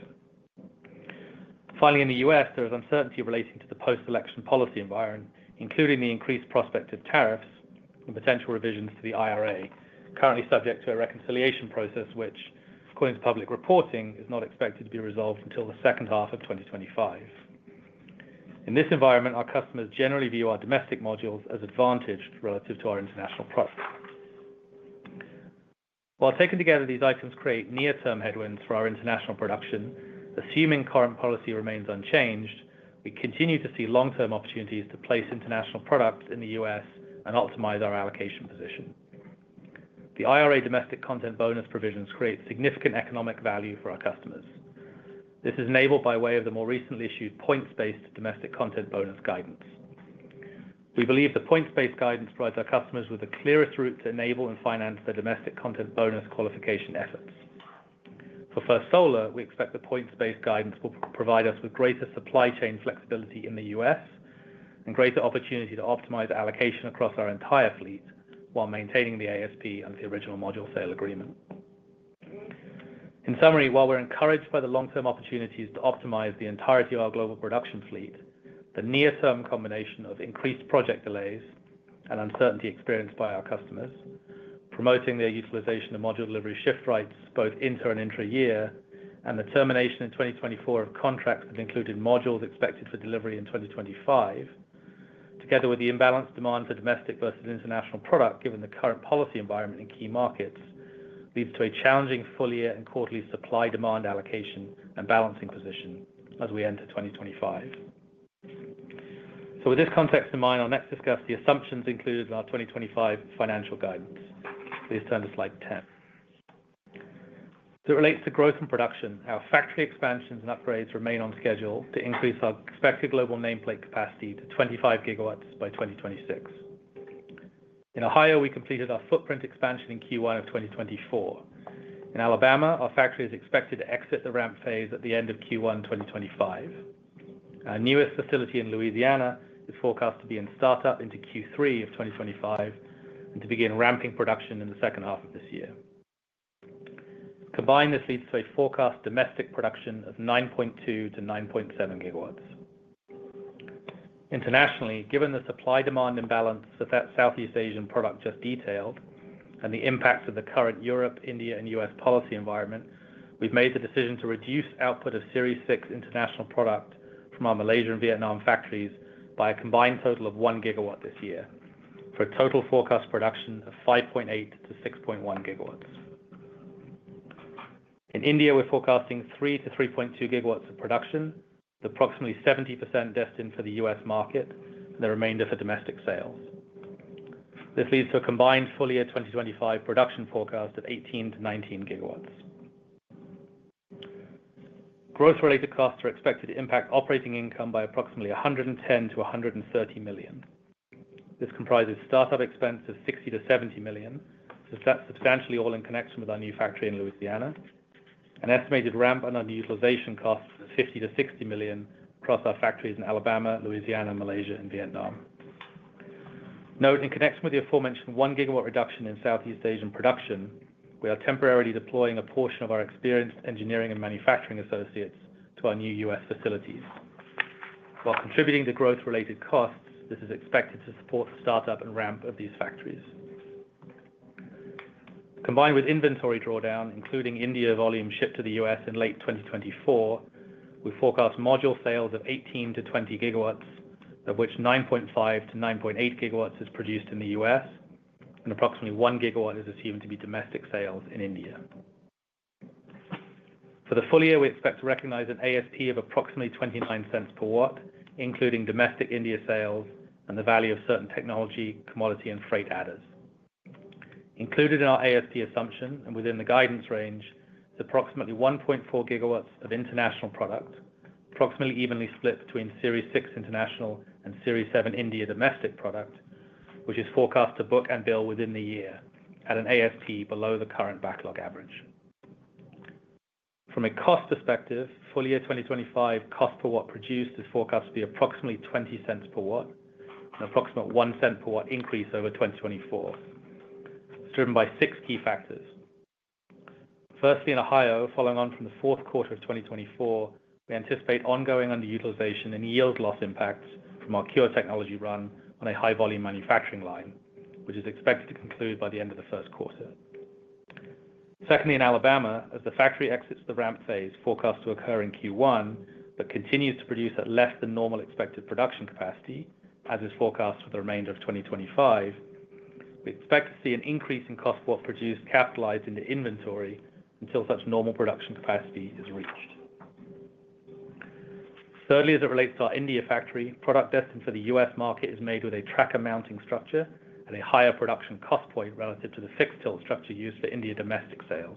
Finally, in the U.S., there is uncertainty relating to the post-election policy environment, including the increased prospect of tariffs and potential revisions to the IRA, currently subject to a reconciliation process which, according to public reporting, is not expected to be resolved until the second half of 2025. In this environment, our customers generally view our domestic modules as advantaged relative to our international product. While taken together, these items create near-term headwinds for our international production, assuming current policy remains unchanged. We continue to see long-term opportunities to place international products in the U.S. and optimize our allocation position. The IRA Domestic Content Bonus provisions create significant economic value for our customers. This is enabled by way of the more recently issued points-based Domestic Content Bonus guidance. We believe the points-based guidance provides our customers with the clearest route to enable and finance their Domestic Content Bonus qualification efforts. For First Solar, we expect the points-based guidance will provide us with greater supply chain flexibility in the U.S. and greater opportunity to optimize allocation across our entire fleet while maintaining the ASP under the original module sale agreement. In summary, while we're encouraged by the long-term opportunities to optimize the entirety of our global production fleet, the near-term combination of increased project delays and uncertainty experienced by our customers, promoting their utilization of module delivery shift rights both inter and intra-year, and the termination in 2024 of contracts that included modules expected for delivery in 2025, together with the imbalanced demand for domestic versus international product given the current policy environment in key markets, leads to a challenging full-year and quarterly supply demand allocation and balancing position as we enter 2025. So with this context in mind, I'll next discuss the assumptions included in our 2025 financial guidance. Please turn to slide 10. As it relates to growth and production, our factory expansions and upgrades remain on schedule to increase our expected global nameplate capacity to 25 GW by 2026. In Ohio, we completed our footprint expansion in Q1 of 2024. In Alabama, our factory is expected to exit the ramp phase at the end of Q1 2025. Our newest facility in Louisiana is forecast to begin startup in Q3 of 2025 and to begin ramping production in the second half of this year. Combined, this leads to a forecast domestic production of 9.2 GW-9.7 GW. Internationally, given the supply-demand imbalance in Southeast Asian production that we just detailed and the impact of the current Europe, India, and U.S. policy environment, we've made the decision to reduce output of Series 6 international product from our Malaysia and Vietnam factories by a combined total of one gigawatt this year for a total forecast production of 5.8 GW-6.1 GW. In India, we're forecasting 3 GW-3.2 GW of production, with approximately 70% destined for the U.S. market and the remainder for domestic sales. This leads to a combined full-year 2025 production forecast of 18 GW-19 GW. Growth-related costs are expected to impact operating income by approximately $110-$130 million. This comprises startup expense of $60-$70 million, substantially all in connection with our new factory in Louisiana. An estimated ramp and underutilization costs of $50-$60 million across our factories in Alabama, Louisiana, Malaysia, and Vietnam. Note in connection with the aforementioned 1 gigawatt reduction in Southeast Asian production, we are temporarily deploying a portion of our experienced engineering and manufacturing associates to our new U.S. facilities. While contributing to growth-related costs, this is expected to support the startup and ramp of these factories. Combined with inventory drawdown, including India volume shipped to the U.S. in late 2024, we forecast module sales of 18 GW-20 GW, of which 9.5 GW-9.8 GW is produced in the U.S., and approximately one gigawatt is assumed to be domestic sales in India. For the full year, we expect to recognize an ASP of approximately $0.29 per watt, including domestic India sales and the value of certain technology, commodity, and freight adders. Included in our ASP assumption and within the guidance range is approximately 1.4 GW of international product, approximately evenly split between Series 6 international and Series 7 India domestic product, which is forecast to book and bill within the year at an ASP below the current backlog average. From a cost perspective, full year 2025 cost per watt produced is forecast to be approximately $0.20 per watt, an approximate $0.01 per watt increase over 2024. It's driven by six key factors. Firstly, in Ohio, following on from the fourth quarter of 2024, we anticipate ongoing underutilization and yield loss impacts from our CuRe technology run on a high-volume manufacturing line, which is expected to conclude by the end of the first quarter. Secondly, in Alabama, as the factory exits the ramp phase, forecast to occur in Q1, but continues to produce at less than normal expected production capacity, as is forecast for the remainder of 2025, we expect to see an increase in cost per watt produced capitalized into inventory until such normal production capacity is reached. Thirdly, as it relates to our India factory, product destined for the U.S. market is made with a tracker mounting structure at a higher production cost point relative to the fixed-tilt structure used for India domestic sales.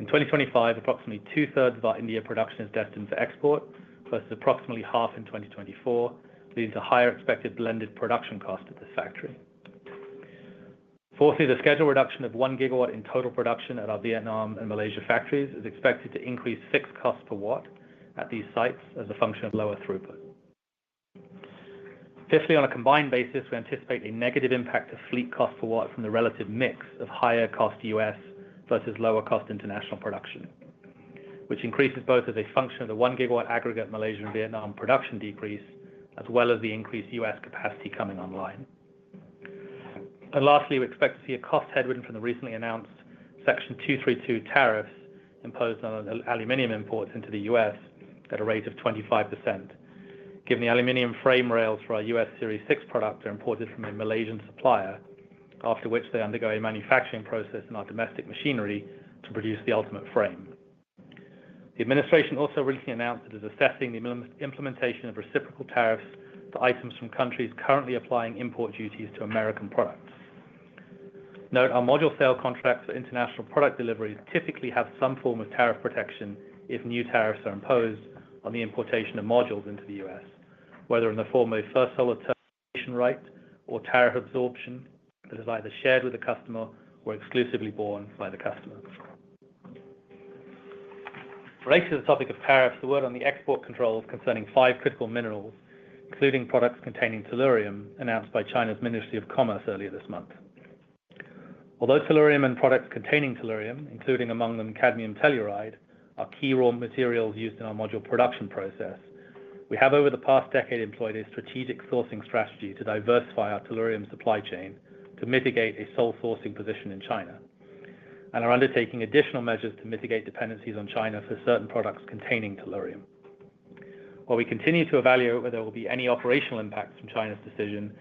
In 2025, approximately two-thirds of our India production is destined for export, versus approximately half in 2024, leading to higher expected blended production costs at this factory. Fourthly, the schedule reduction of one gigawatt in total production at our Vietnam and Malaysia factories is expected to increase fixed costs per watt at these sites as a function of lower throughput. Fifthly, on a combined basis, we anticipate a negative impact of fleet cost per watt from the relative mix of higher cost U.S. versus lower cost international production, which increases both as a function of the one gigawatt aggregate Malaysia and Vietnam production decrease as well as the increased U.S. capacity coming online. Lastly, we expect to see a cost headwind from the recently announced Section 232 tariffs imposed on aluminum imports into the U.S. at a rate of 25%, given the aluminum frame rails for our U.S. Series 6 product are imported from a Malaysian supplier, after which they undergo a manufacturing process in our domestic machinery to produce the ultimate frame. The administration also recently announced that it is assessing the implementation of reciprocal tariffs for items from countries currently applying import duties to American products. Note, our module sale contracts for international product delivery typically have some form of tariff protection if new tariffs are imposed on the importation of modules into the U.S., whether in the form of a First Solar termination right or tariff absorption that is either shared with the customer or exclusively borne by the customer. Related to the topic of tariffs, the word on the export controls concerning five critical minerals, including products containing tellurium, announced by China's Ministry of Commerce earlier this month. Although tellurium and products containing tellurium, including among them cadmium telluride, are key raw materials used in our module production process, we have over the past decade employed a strategic sourcing strategy to diversify our tellurium supply chain to mitigate a sole sourcing position in China, and are undertaking additional measures to mitigate dependencies on China for certain products containing tellurium. While we continue to evaluate whether there will be any operational impacts from China's decision,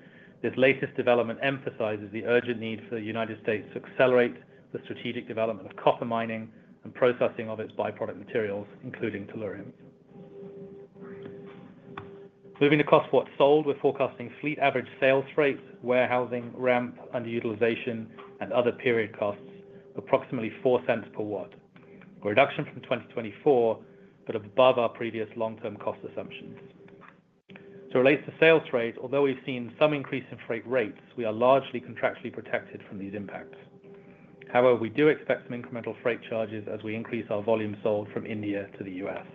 this latest development emphasizes the urgent need for the United States to accelerate the strategic development of copper mining and processing of its byproduct materials, including tellurium. Moving to cost per watt sold, we're forecasting fleet average sales freight, warehousing, ramp, underutilization, and other period costs of approximately $0.04 per watt, a reduction from 2024 but above our previous long-term cost assumptions. As it relates to sales freight, although we've seen some increase in freight rates, we are largely contractually protected from these impacts. However, we do expect some incremental freight charges as we increase our volume sold from India to the U.S.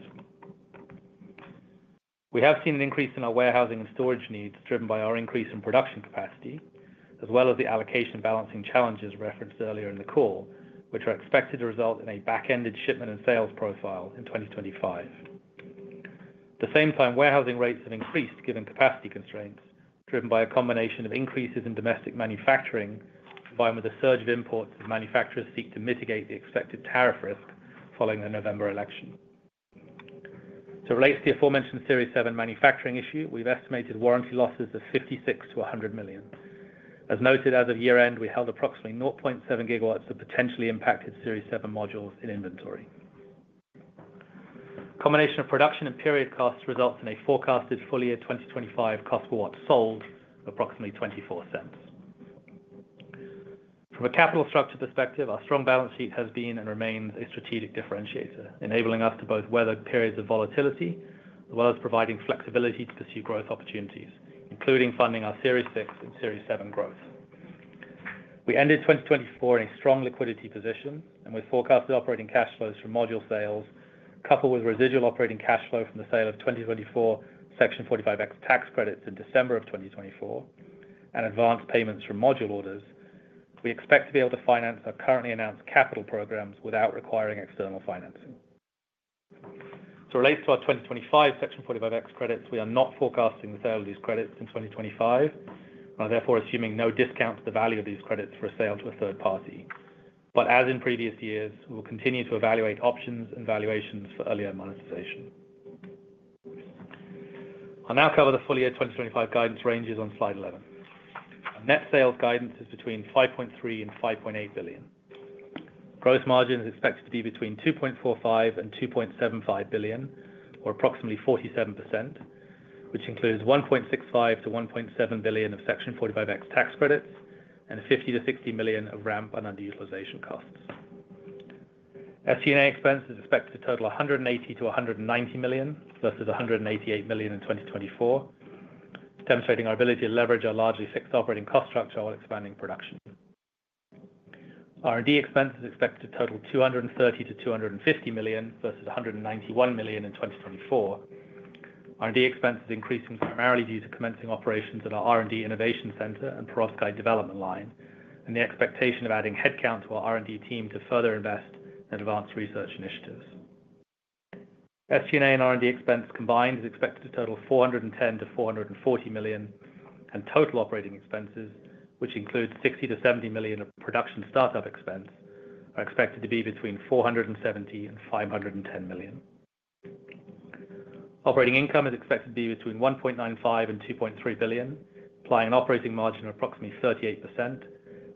We have seen an increase in our warehousing and storage needs driven by our increase in production capacity, as well as the allocation balancing challenges referenced earlier in the call, which are expected to result in a back-ended shipment and sales profile in 2025. At the same time, warehousing rates have increased given capacity constraints, driven by a combination of increases in domestic manufacturing, combined with a surge of imports as manufacturers seek to mitigate the expected tariff risk following the November election. As it relates to the aforementioned Series 7 manufacturing issue, we've estimated warranty losses of $56 million-$100 million. As noted, as of year-end, we held approximately 0.7 GW of potentially impacted Series 7 modules in inventory. A combination of production and period costs results in a forecasted full year 2025 cost per watt sold of approximately $0.24. From a capital structure perspective, our strong balance sheet has been and remains a strategic differentiator, enabling us to both weather periods of volatility as well as providing flexibility to pursue growth opportunities, including funding our Series 6 and Series 7 growth. We ended 2024 in a strong liquidity position, and with forecasted operating cash flows from module sales, coupled with residual operating cash flow from the sale of 2024 Section 45X tax credits in December of 2024, and advance payments from module orders, we expect to be able to finance our currently announced capital programs without requiring external financing. As it relates to our 2025 Section 45X credits, we are not forecasting the sale of these credits in 2025, and are therefore assuming no discount to the value of these credits for a sale to a third party, but as in previous years, we will continue to evaluate options and valuations for earlier monetization. I'll now cover the full year 2025 guidance ranges on slide 11. Net sales guidance is between $5.3 billion and $5.8 billion. Gross margin is expected to be between $2.45 billion and $2.75 billion, or approximately 47%, which includes $1.65-$1.7 billion of Section 45X tax credits and $50-$60 million of ramp and underutilization costs. SG&A expenses are expected to total $180-$190 million versus $188 million in 2024, demonstrating our ability to leverage our largely fixed operating cost structure while expanding production. R&D expenses are expected to total $230-$250 million versus $191 million in 2024. R&D expenses are increasing primarily due to commencing operations at our R&D innovation center and perovskite development line, and the expectation of adding headcount to our R&D team to further invest in advanced research initiatives. SG&A and R&D expenses combined are expected to total $410-$440 million, and total operating expenses, which include $60-$70 million of production startup expense, are expected to be between $470 million and $510 million. Operating income is expected to be between $1.95 billion and $2.3 billion, implying an operating margin of approximately 38%, and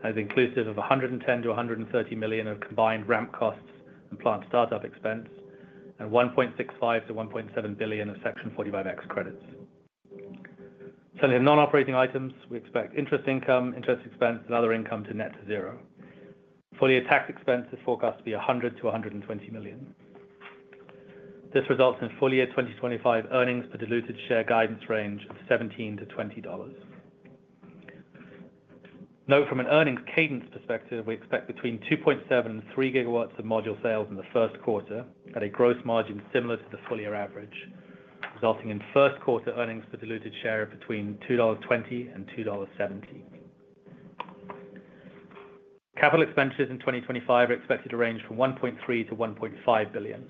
is inclusive of $110 to $130 million of combined ramp costs and plant startup expense, and $1.65 to $1.7 billion of Section 45X credits. Certainly, in non-operating items, we expect interest income, interest expense, and other income to net to zero. Full year tax expenses are forecast to be $100 to $120 million. This results in full year 2025 earnings per diluted share guidance range of $17 to $20. Note from an earnings cadence perspective, we expect between 2.7 and 3 GW of module sales in the first quarter at a gross margin similar to the full year average, resulting in first quarter earnings per diluted share of between $2.20 and $2.70. Capital expenditures in 2025 are expected to range from $1.3 to $1.5 billion.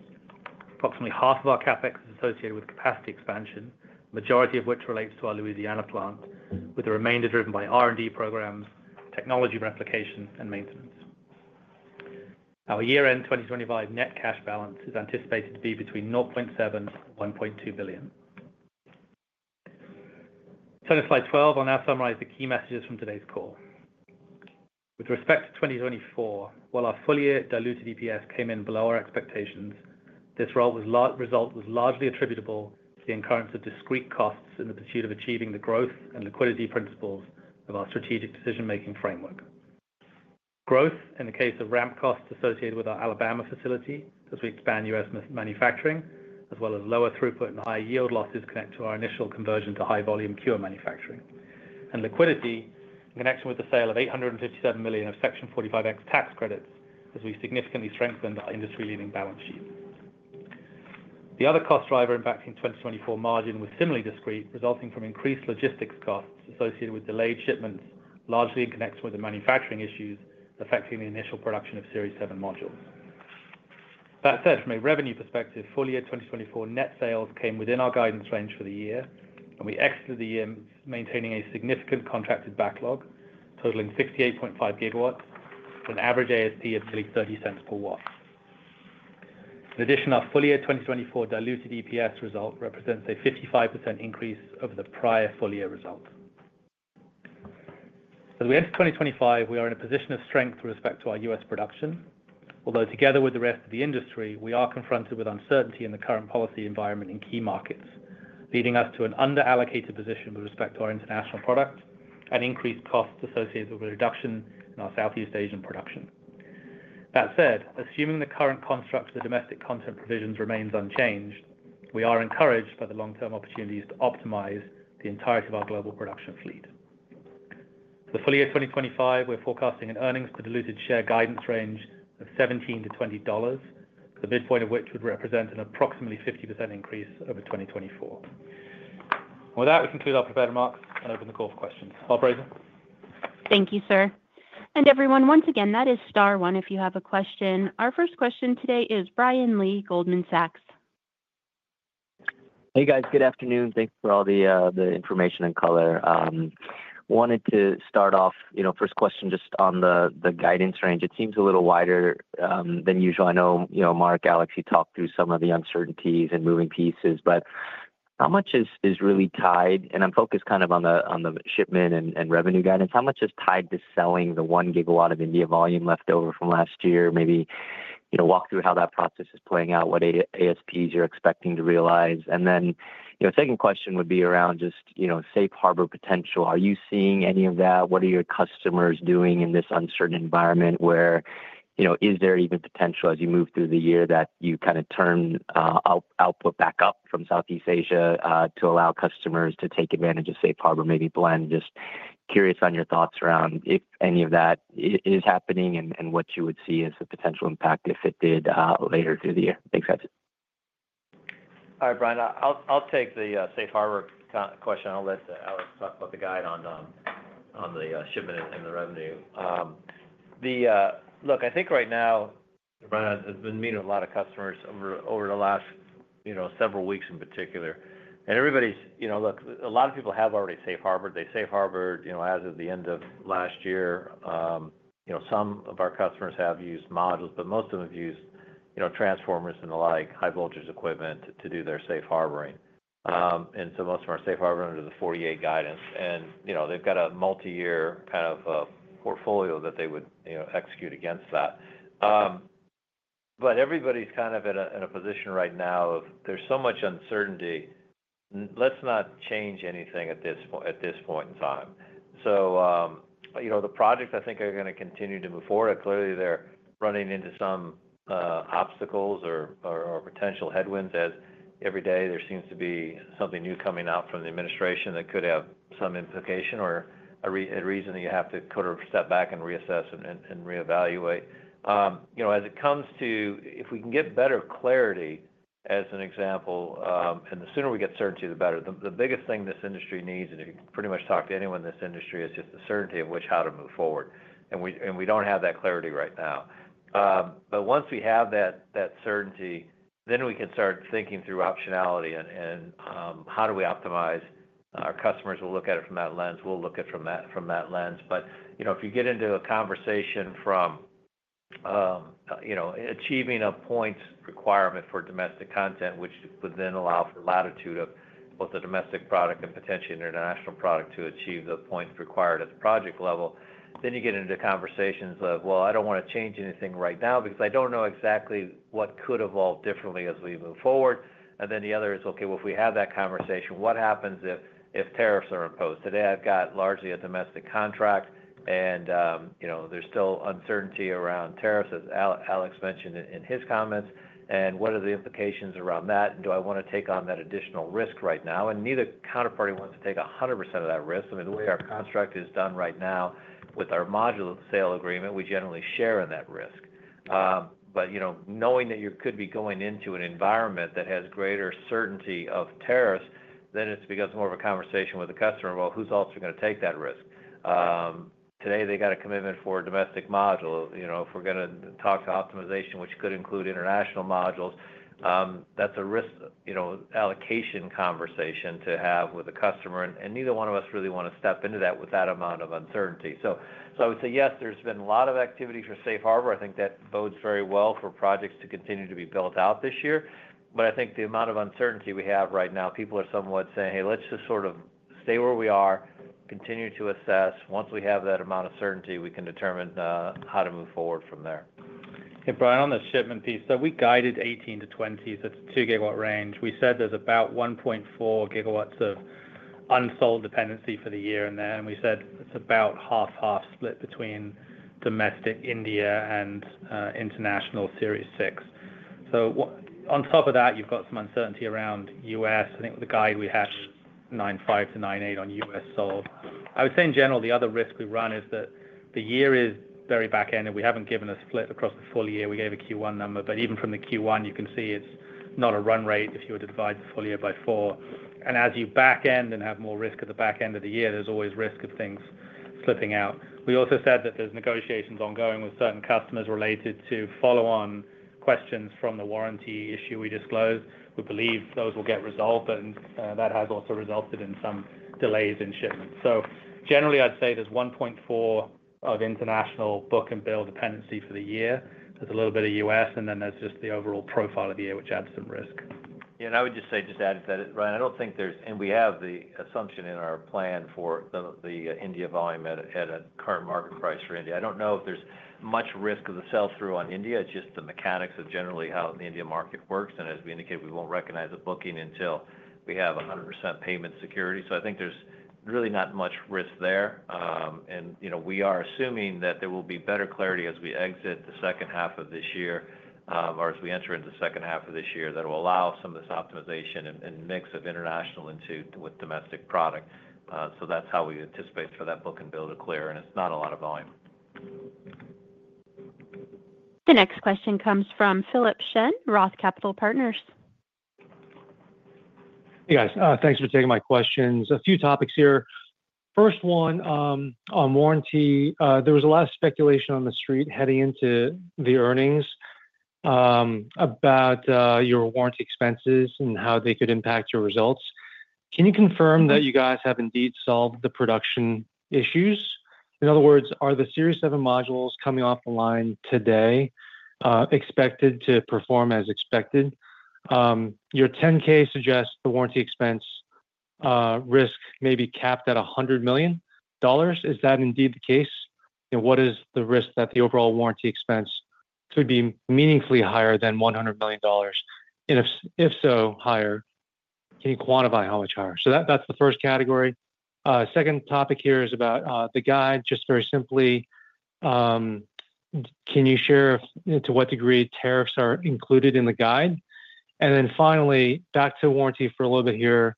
Approximately half of our CapEx is associated with capacity expansion, the majority of which relates to our Louisiana plant, with the remainder driven by R&D programs, technology replication, and maintenance. Our year-end 2025 net cash balance is anticipated to be between $0.7 to $1.2 billion. Turning to slide 12, I'll now summarize the key messages from today's call. With respect to 2024, while our full year diluted EPS came in below our expectations, this result was largely attributable to the incurrence of discrete costs in the pursuit of achieving the growth and liquidity principles of our strategic decision-making framework. Growth, in the case of ramp costs associated with our Alabama facility as we expand U.S. manufacturing, as well as lower throughput and higher yield losses connect to our initial conversion to high-volume Series 6 manufacturing. And liquidity, in connection with the sale of $857 million of Section 45X tax credits, as we significantly strengthened our industry-leading balance sheet. The other cost driver impacting 2024 margin was similarly discrete, resulting from increased logistics costs associated with delayed shipments, largely in connection with the manufacturing issues affecting the initial production of Series 7 modules. That said, from a revenue perspective, full year 2024 net sales came within our guidance range for the year, and we exited the year maintaining a significant contracted backlog, totaling 68.5 GW, with an average ASP of nearly $0.30 per watt. In addition, our full year 2024 diluted EPS result represents a 55% increase over the prior full year result. As we enter 2025, we are in a position of strength with respect to our U.S. production, although together with the rest of the industry, we are confronted with uncertainty in the current policy environment in key markets, leading us to an underallocated position with respect to our international product and increased costs associated with a reduction in our Southeast Asian production. That said, assuming the current construct of the domestic content provisions remains unchanged, we are encouraged by the long-term opportunities to optimize the entirety of our global production fleet. For the full year 2025, we're forecasting an earnings per diluted share guidance range of $17-$20, the midpoint of which would represent an approximately 50% increase over 2024. And with that, we conclude our prepared remarks and open the call for questions. Operator. Thank you, sir. Everyone, once again, that is Star One if you have a question. Our first question today is Brian Lee, Goldman Sachs. Hey, guys. Good afternoon. Thanks for all the information and color. Wanted to start off, first question just on the guidance range. It seems a little wider than usual. I know Mark, Alex, he talked through some of the uncertainties and moving pieces, but how much is really tied, and I'm focused kind of on the shipment and revenue guidance, how much is tied to selling the one gigawatt of India volume left over from last year? Maybe walk through how that process is playing out, what ASPs you're expecting to realize. And then second question would be around just safe harbor potential. Are you seeing any of that? What are your customers doing in this uncertain environment? Where is there even potential as you move through the year that you kind of turn output back up from Southeast Asia to allow customers to take advantage of safe harbor, maybe blend? Just curious on your thoughts around if any of that is happening and what you would see as a potential impact if it did later through the year. Thanks, guys. All right, Brian. I'll take the safe harbor question. I'll let Alex talk about the guide on the shipment and the revenue. Look, I think right now, Brian, I've been meeting a lot of customers over the last several weeks in particular. And everybody's, look, a lot of people have already safe harbored. They safe harbored as of the end of last year. Some of our customers have used modules, but most of them have used transformers and the like, high voltage equipment to do their safe harbor. So most of our safe harbor under the Section 48 guidance. They have got a multi-year kind of portfolio that they would execute against that. Everybody is kind of in a position right now of there is so much uncertainty. Let's not change anything at this point in time. The projects, I think, are going to continue to move forward. Clearly, they are running into some obstacles or potential headwinds as every day there seems to be something new coming out from the administration that could have some implication or a reason that you have to sort of step back and reassess and reevaluate. As it comes to, if we can get better clarity, as an example, and the sooner we get certainty, the better. The biggest thing this industry needs, and you can pretty much talk to anyone in this industry, is just the certainty of how to move forward. And we don't have that clarity right now. But once we have that certainty, then we can start thinking through optionality and how do we optimize. Our customers will look at it from that lens. We'll look at it from that lens. But if you get into a conversation from achieving a points requirement for domestic content, which would then allow for latitude of both the domestic product and potentially international product to achieve the points required at the project level, then you get into conversations of, "Well, I don't want to change anything right now because I don't know exactly what could evolve differently as we move forward." And then the other is, "Okay, well, if we have that conversation, what happens if tariffs are imposed?" Today, I've got largely a domestic contract, and there's still uncertainty around tariffs, as Alex mentioned in his comments. And what are the implications around that? And do I want to take on that additional risk right now? And neither counterparty wants to take 100% of that risk. I mean, the way our construct is done right now with our module sale agreement, we generally share in that risk. But knowing that you could be going into an environment that has greater certainty of tariffs, then it's more of a conversation with the customer, "Well, who's also going to take that risk?" Today, they got a commitment for domestic module. If we're going to talk to optimization, which could include international modules, that's a risk allocation conversation to have with the customer. And neither one of us really want to step into that with that amount of uncertainty. So I would say, yes, there's been a lot of activity for safe harbor. I think that bodes very well for projects to continue to be built out this year. But I think the amount of uncertainty we have right now, people are somewhat saying, "Hey, let's just sort of stay where we are, continue to assess. Once we have that amount of certainty, we can determine how to move forward from there." Hey, Brian, on the shipment piece, so we guided 18-20. So it's a 2-gigawatt range. We said there's about 1.4 GW of unsold inventory for the year in there. And we said it's about half-half split between domestic, India, and international Series 6. So on top of that, you've got some uncertainty around U.S. I think the guide we have 9.5-9.8 on U.S. sold. I would say, in general, the other risk we run is that the year is very back-ended, and we haven't given a split across the full year. We gave a Q1 number, but even from the Q1, you can see it's not a run rate if you were to divide the full year by four, and as you back-end and have more risk at the back-end of the year, there's always risk of things slipping out. We also said that there's negotiations ongoing with certain customers related to follow-on questions from the warranty issue we disclosed. We believe those will get resolved, but that has also resulted in some delays in shipment, so generally, I'd say there's 1.4 of international book and bill dependency for the year. There's a little bit of U.S., and then there's just the overall profile of the year, which adds some risk. Yeah, and I would just say, just add to that, Brian. I don't think there's, and we have the assumption in our plan for the India volume at a current market price for India. I don't know if there's much risk of the sell-through on India. It's just the mechanics of generally how the India market works. And as we indicate, we won't recognize the booking until we have 100% payment security. So I think there's really not much risk there. And we are assuming that there will be better clarity as we exit the second half of this year or as we enter into the second half of this year that will allow some of this optimization and mix of international into with domestic product. So that's how we anticipate for that book and bill to clear. And it's not a lot of volume. The next question comes from Philip Shen, Roth Capital Partners. Hey, guys. Thanks for taking my questions. A few topics here. First one on warranty. There was a lot of speculation on the street heading into the earnings about your warranty expenses and how they could impact your results. Can you confirm that you guys have indeed solved the production issues? In other words, are the Series 7 modules coming off the line today expected to perform as expected? Your 10-K suggests the warranty expense risk may be capped at $100 million. Is that indeed the case? What is the risk that the overall warranty expense could be meaningfully higher than $100 million? And if so, higher, can you quantify how much higher? So that's the first category. Second topic here is about the guide, just very simply. Can you share to what degree tariffs are included in the guide? And then finally, back to warranty for a little bit here.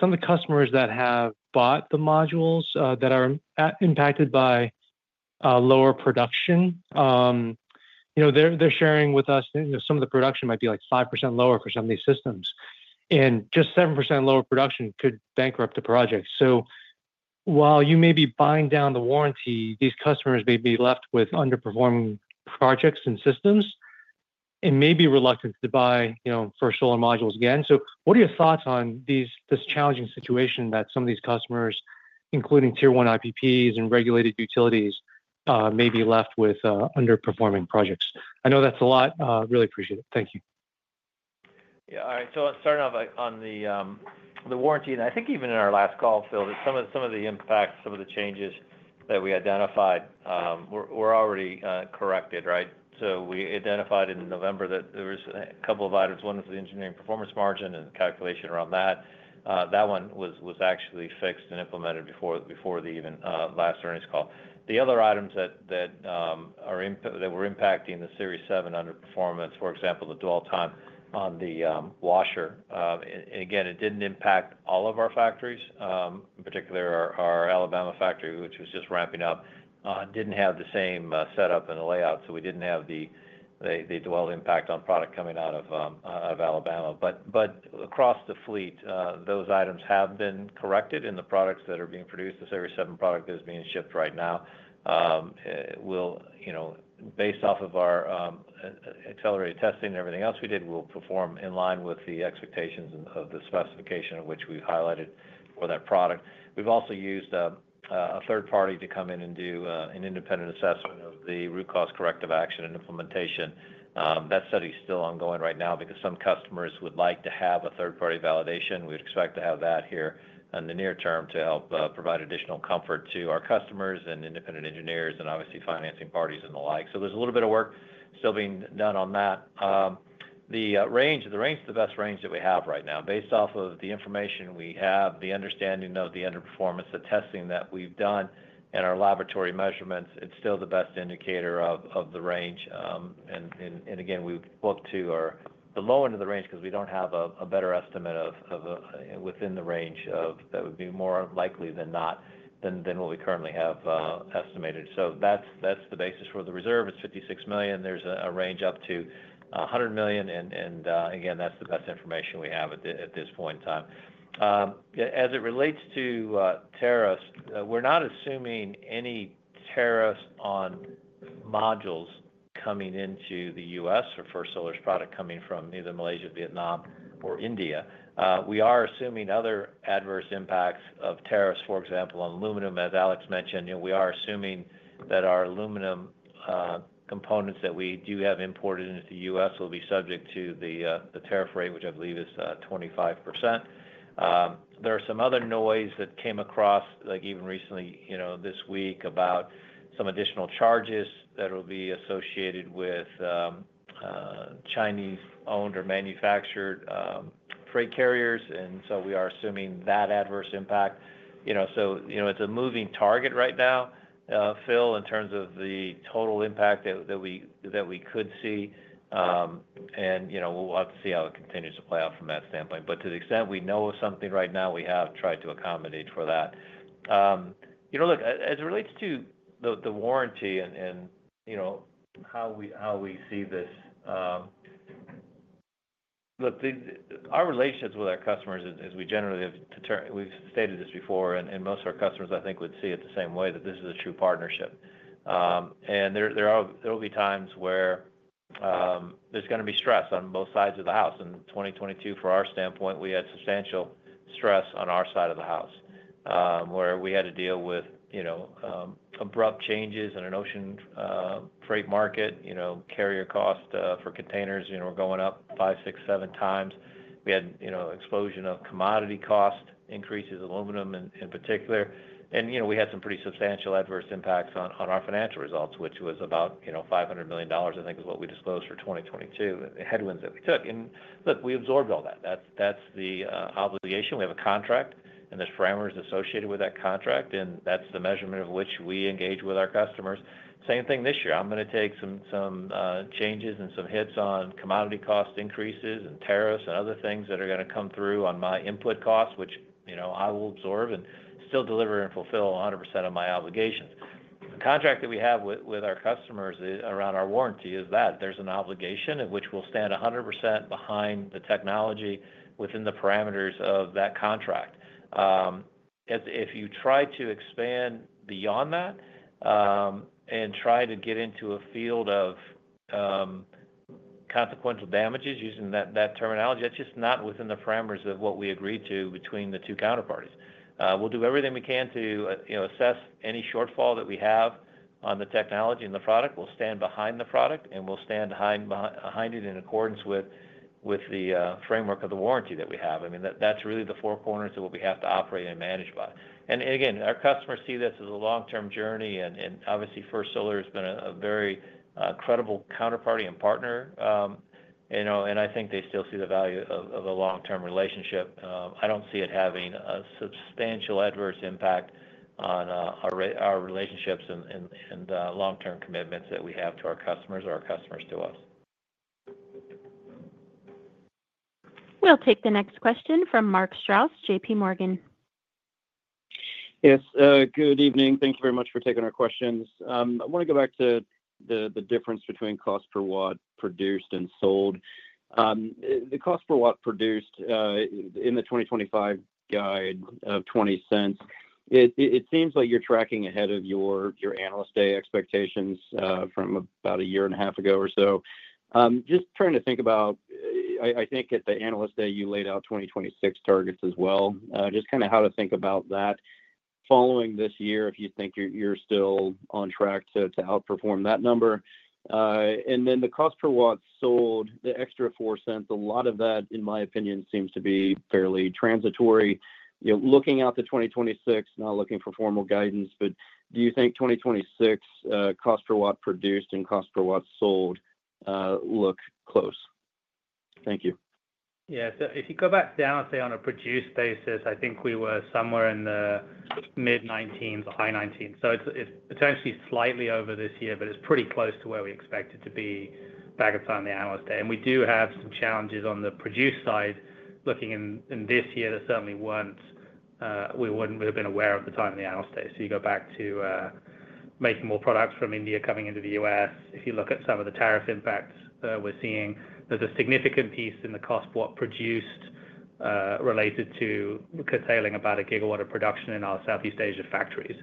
Some of the customers that have bought the modules that are impacted by lower production, they're sharing with us some of the production might be like 5% lower for some of these systems. And just 7% lower production could bankrupt the project. So while you may be buying down the warranty, these customers may be left with underperforming projects and systems and may be reluctant to buy First Solar modules again. So what are your thoughts on this challenging situation that some of these customers, including Tier 1 IPPs and regulated utilities, may be left with underperforming projects? I know that's a lot. Really appreciate it. Thank you. Yeah. All right. So starting off on the warranty, and I think even in our last call, Phil, that some of the impacts, some of the changes that we identified were already corrected, right? So we identified in November that there was a couple of items. One was the engineering performance margin and the calculation around that. That one was actually fixed and implemented before the even last earnings call. The other items that were impacting the Series 7 underperformance, for example, the dwell time on the washer. And again, it didn't impact all of our factories, in particular our Alabama factory, which was just ramping up, didn't have the same setup and layout. So we didn't have the dwell impact on product coming out of Alabama. But across the fleet, those items have been corrected in the products that are being produced. The Series 7 product that is being shipped right now, based off of our accelerated testing and everything else we did, will perform in line with the expectations of the specification of which we've highlighted for that product. We've also used a third party to come in and do an independent assessment of the root cause corrective action and implementation. That study is still ongoing right now because some customers would like to have a third-party validation. We'd expect to have that here in the near term to help provide additional comfort to our customers and independent engineers and obviously financing parties and the like. So there's a little bit of work still being done on that. The range, the range is the best range that we have right now. Based off of the information we have, the understanding of the underperformance, the testing that we've done and our laboratory measurements, it's still the best indicator of the range. And again, we look to the low end of the range because we don't have a better estimate within the range of that would be more likely than not than what we currently have estimated. So that's the basis for the reserve. It's $56 million. There's a range up to $100 million. And again, that's the best information we have at this point in time. As it relates to tariffs, we're not assuming any tariffs on modules coming into the U.S. or First Solar's product coming from either Malaysia, Vietnam, or India. We are assuming other adverse impacts of tariffs, for example, on aluminum, as Alex mentioned. We are assuming that our aluminum components that we do have imported into the U.S. will be subject to the tariff rate, which I believe is 25%. There are some other news that came across, like even recently this week, about some additional charges that will be associated with Chinese-owned or manufactured freight carriers, and so we are assuming that adverse impact, so it's a moving target right now, Phil, in terms of the total impact that we could see, and we'll have to see how it continues to play out from that standpoint, but to the extent we know of something right now, we have tried to accommodate for that. Look, as it relates to the warranty and how we see this, look, our relationships with our customers, as we generally have stated this before, and most of our customers, I think, would see it the same way, that this is a true partnership, and there will be times where there's going to be stress on both sides of the house. In 2022, for our standpoint, we had substantial stress on our side of the house where we had to deal with abrupt changes in an ocean freight market. Carrier costs for containers were going up five, six, seven times. We had an explosion of commodity cost increases, aluminum in particular. And we had some pretty substantial adverse impacts on our financial results, which was about $500 million, I think, is what we disclosed for 2022, the headwinds that we took, and look, we absorbed all that. That's the obligation. We have a contract, and there's parameters associated with that contract, and that's the measurement of which we engage with our customers. Same thing this year. I'm going to take some changes and some hits on commodity cost increases and tariffs and other things that are going to come through on my input costs, which I will absorb and still deliver and fulfill 100% of my obligations. The contract that we have with our customers around our warranty is that there's an obligation in which we'll stand 100% behind the technology within the parameters of that contract. If you try to expand beyond that and try to get into a field of consequential damages using that terminology, that's just not within the parameters of what we agreed to between the two counterparties. We'll do everything we can to assess any shortfall that we have on the technology and the product. We'll stand behind the product, and we'll stand behind it in accordance with the framework of the warranty that we have. I mean, that's really the four corners of what we have to operate and manage by. And again, our customers see this as a long-term journey. And obviously, First Solar has been a very credible counterparty and partner. And I think they still see the value of a long-term relationship. I don't see it having a substantial adverse impact on our relationships and long-term commitments that we have to our customers or our customers to us. We'll take the next question from Mark Strouse, JPMorgan. Yes. Good evening. Thank you very much for taking our questions. I want to go back to the difference between cost per watt produced and sold. The cost per watt produced in the 2025 guide of $0.20, it seems like you're tracking ahead of your analyst day expectations from about a year and a half ago or so. Just trying to think about, I think, at the analyst day, you laid out 2026 targets as well. Just kind of how to think about that following this year if you think you're still on track to outperform that number. And then the cost per watt sold, the extra $0.04, a lot of that, in my opinion, seems to be fairly transitory. Looking out to 2026, not looking for formal guidance, but do you think 2026 cost per watt produced and cost per watt sold look close? Thank you. Yeah. So if you go back down, say, on a produced basis, I think we were somewhere in the mid-19s, high 19s. So it's potentially slightly over this year, but it's pretty close to where we expected to be back at the time of the analyst day. And we do have some challenges on the produced side looking in this year that certainly weren't. We wouldn't have been aware of at the time of the analyst day. So you go back to making more products from India coming into the US. If you look at some of the tariff impacts we're seeing, there's a significant piece in the cost per watt produced related to curtailing about a gigawatt of production in our Southeast Asia factories.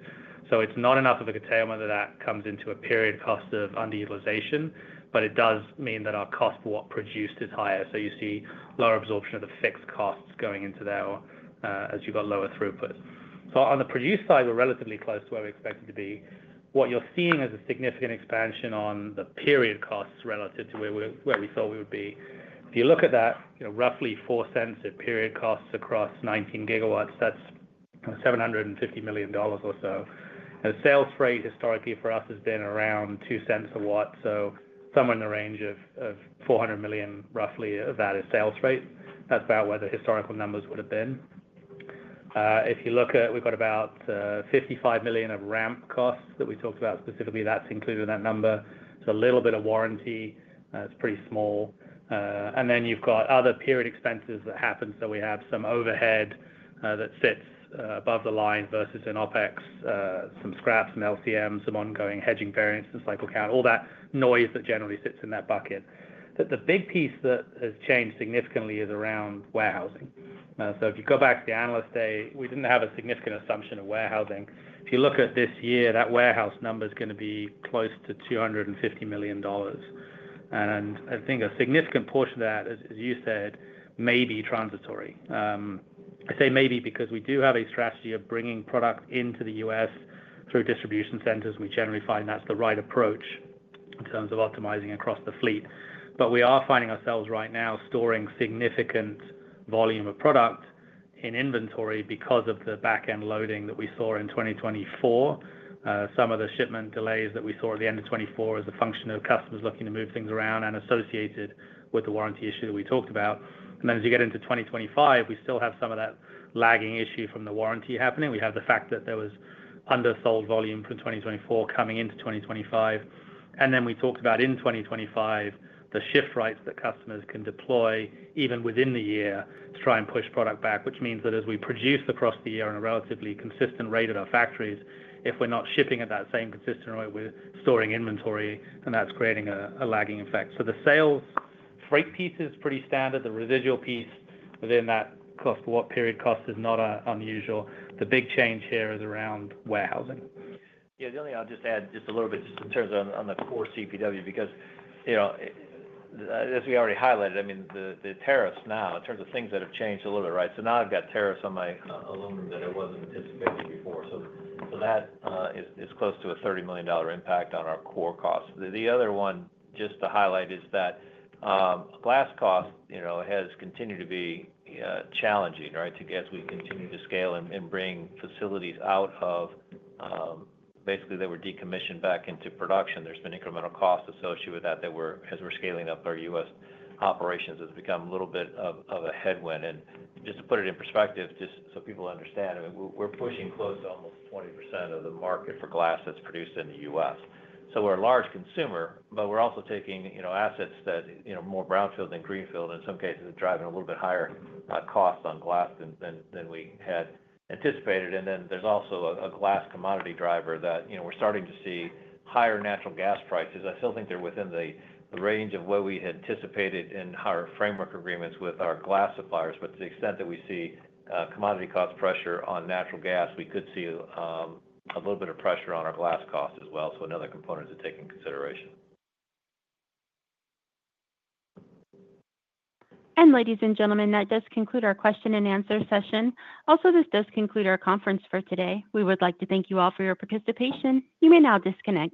So it's not enough of a curtailment that comes into a period cost of underutilization, but it does mean that our cost per watt produced is higher. So you see lower absorption of the fixed costs going into there as you've got lower throughput. On the produced side, we're relatively close to where we expected to be. What you're seeing is a significant expansion on the period costs relative to where we thought we would be. If you look at that, roughly 4 cents of period costs across 19 GW, that's $750 million or so. And the sales freight historically for us has been around 2 cents a watt. So somewhere in the range of $400 million, roughly, of that is sales freight. That's about where the historical numbers would have been. If you look at, we've got about $55 million of ramp costs that we talked about specifically. That's included in that number. There's a little bit of warranty. It's pretty small. And then you've got other period expenses that happen. So we have some overhead that sits above the line versus an OpEx, some scrap, some LCM, some ongoing hedging variance, some cycle count, all that noise that generally sits in that bucket. But the big piece that has changed significantly is around warehousing. So if you go back to the analyst day, we didn't have a significant assumption of warehousing. If you look at this year, that warehouse number is going to be close to $250 million. And I think a significant portion of that, as you said, may be transitory. I say maybe because we do have a strategy of bringing product into the U.S. through distribution centers. We generally find that's the right approach in terms of optimizing across the fleet. But we are finding ourselves right now storing significant volume of product in inventory because of the back-end loading that we saw in 2024. Some of the shipment delays that we saw at the end of 2024 is a function of customers looking to move things around and associated with the warranty issue that we talked about, and then as you get into 2025, we still have some of that lagging issue from the warranty happening. We have the fact that there was undersold volume from 2024 coming into 2025, and then we talked about in 2025, the shift rates that customers can deploy even within the year to try and push product back, which means that as we produce across the year in a relatively consistent rate at our factories, if we're not shipping at that same consistent rate, we're storing inventory, and that's creating a lagging effect, so the sales freight piece is pretty standard. The residual piece within that cost per watt period cost is not unusual. The big change here is around warehousing. Yeah. The only thing I'll just add just a little bit just in terms of on the core CPW because, as we already highlighted, I mean, the tariffs now in terms of things that have changed a little bit, right? So now I've got tariffs on my aluminum that I wasn't anticipating before. So that is close to a $30 million impact on our core costs. The other one, just to highlight, is that glass cost has continued to be challenging, right, as we continue to scale and bring facilities out of basically that were decommissioned back into production. There's been incremental costs associated with that, as we're scaling up our U.S. operations, has become a little bit of a headwind. Just to put it in perspective, just so people understand, we're pushing close to almost 20% of the market for glass that's produced in the U.S. So we're a large consumer, but we're also taking assets that are more brownfield than greenfield. In some cases, it's driving a little bit higher costs on glass than we had anticipated. And then there's also a glass commodity driver that we're starting to see higher natural gas prices. I still think they're within the range of what we had anticipated in our framework agreements with our glass suppliers. But to the extent that we see commodity cost pressure on natural gas, we could see a little bit of pressure on our glass cost as well. So another component to take into consideration. And ladies and gentlemen, that does conclude our question and answer session. Also, this does conclude our conference for today. We would like to thank you all for your participation. You may now disconnect.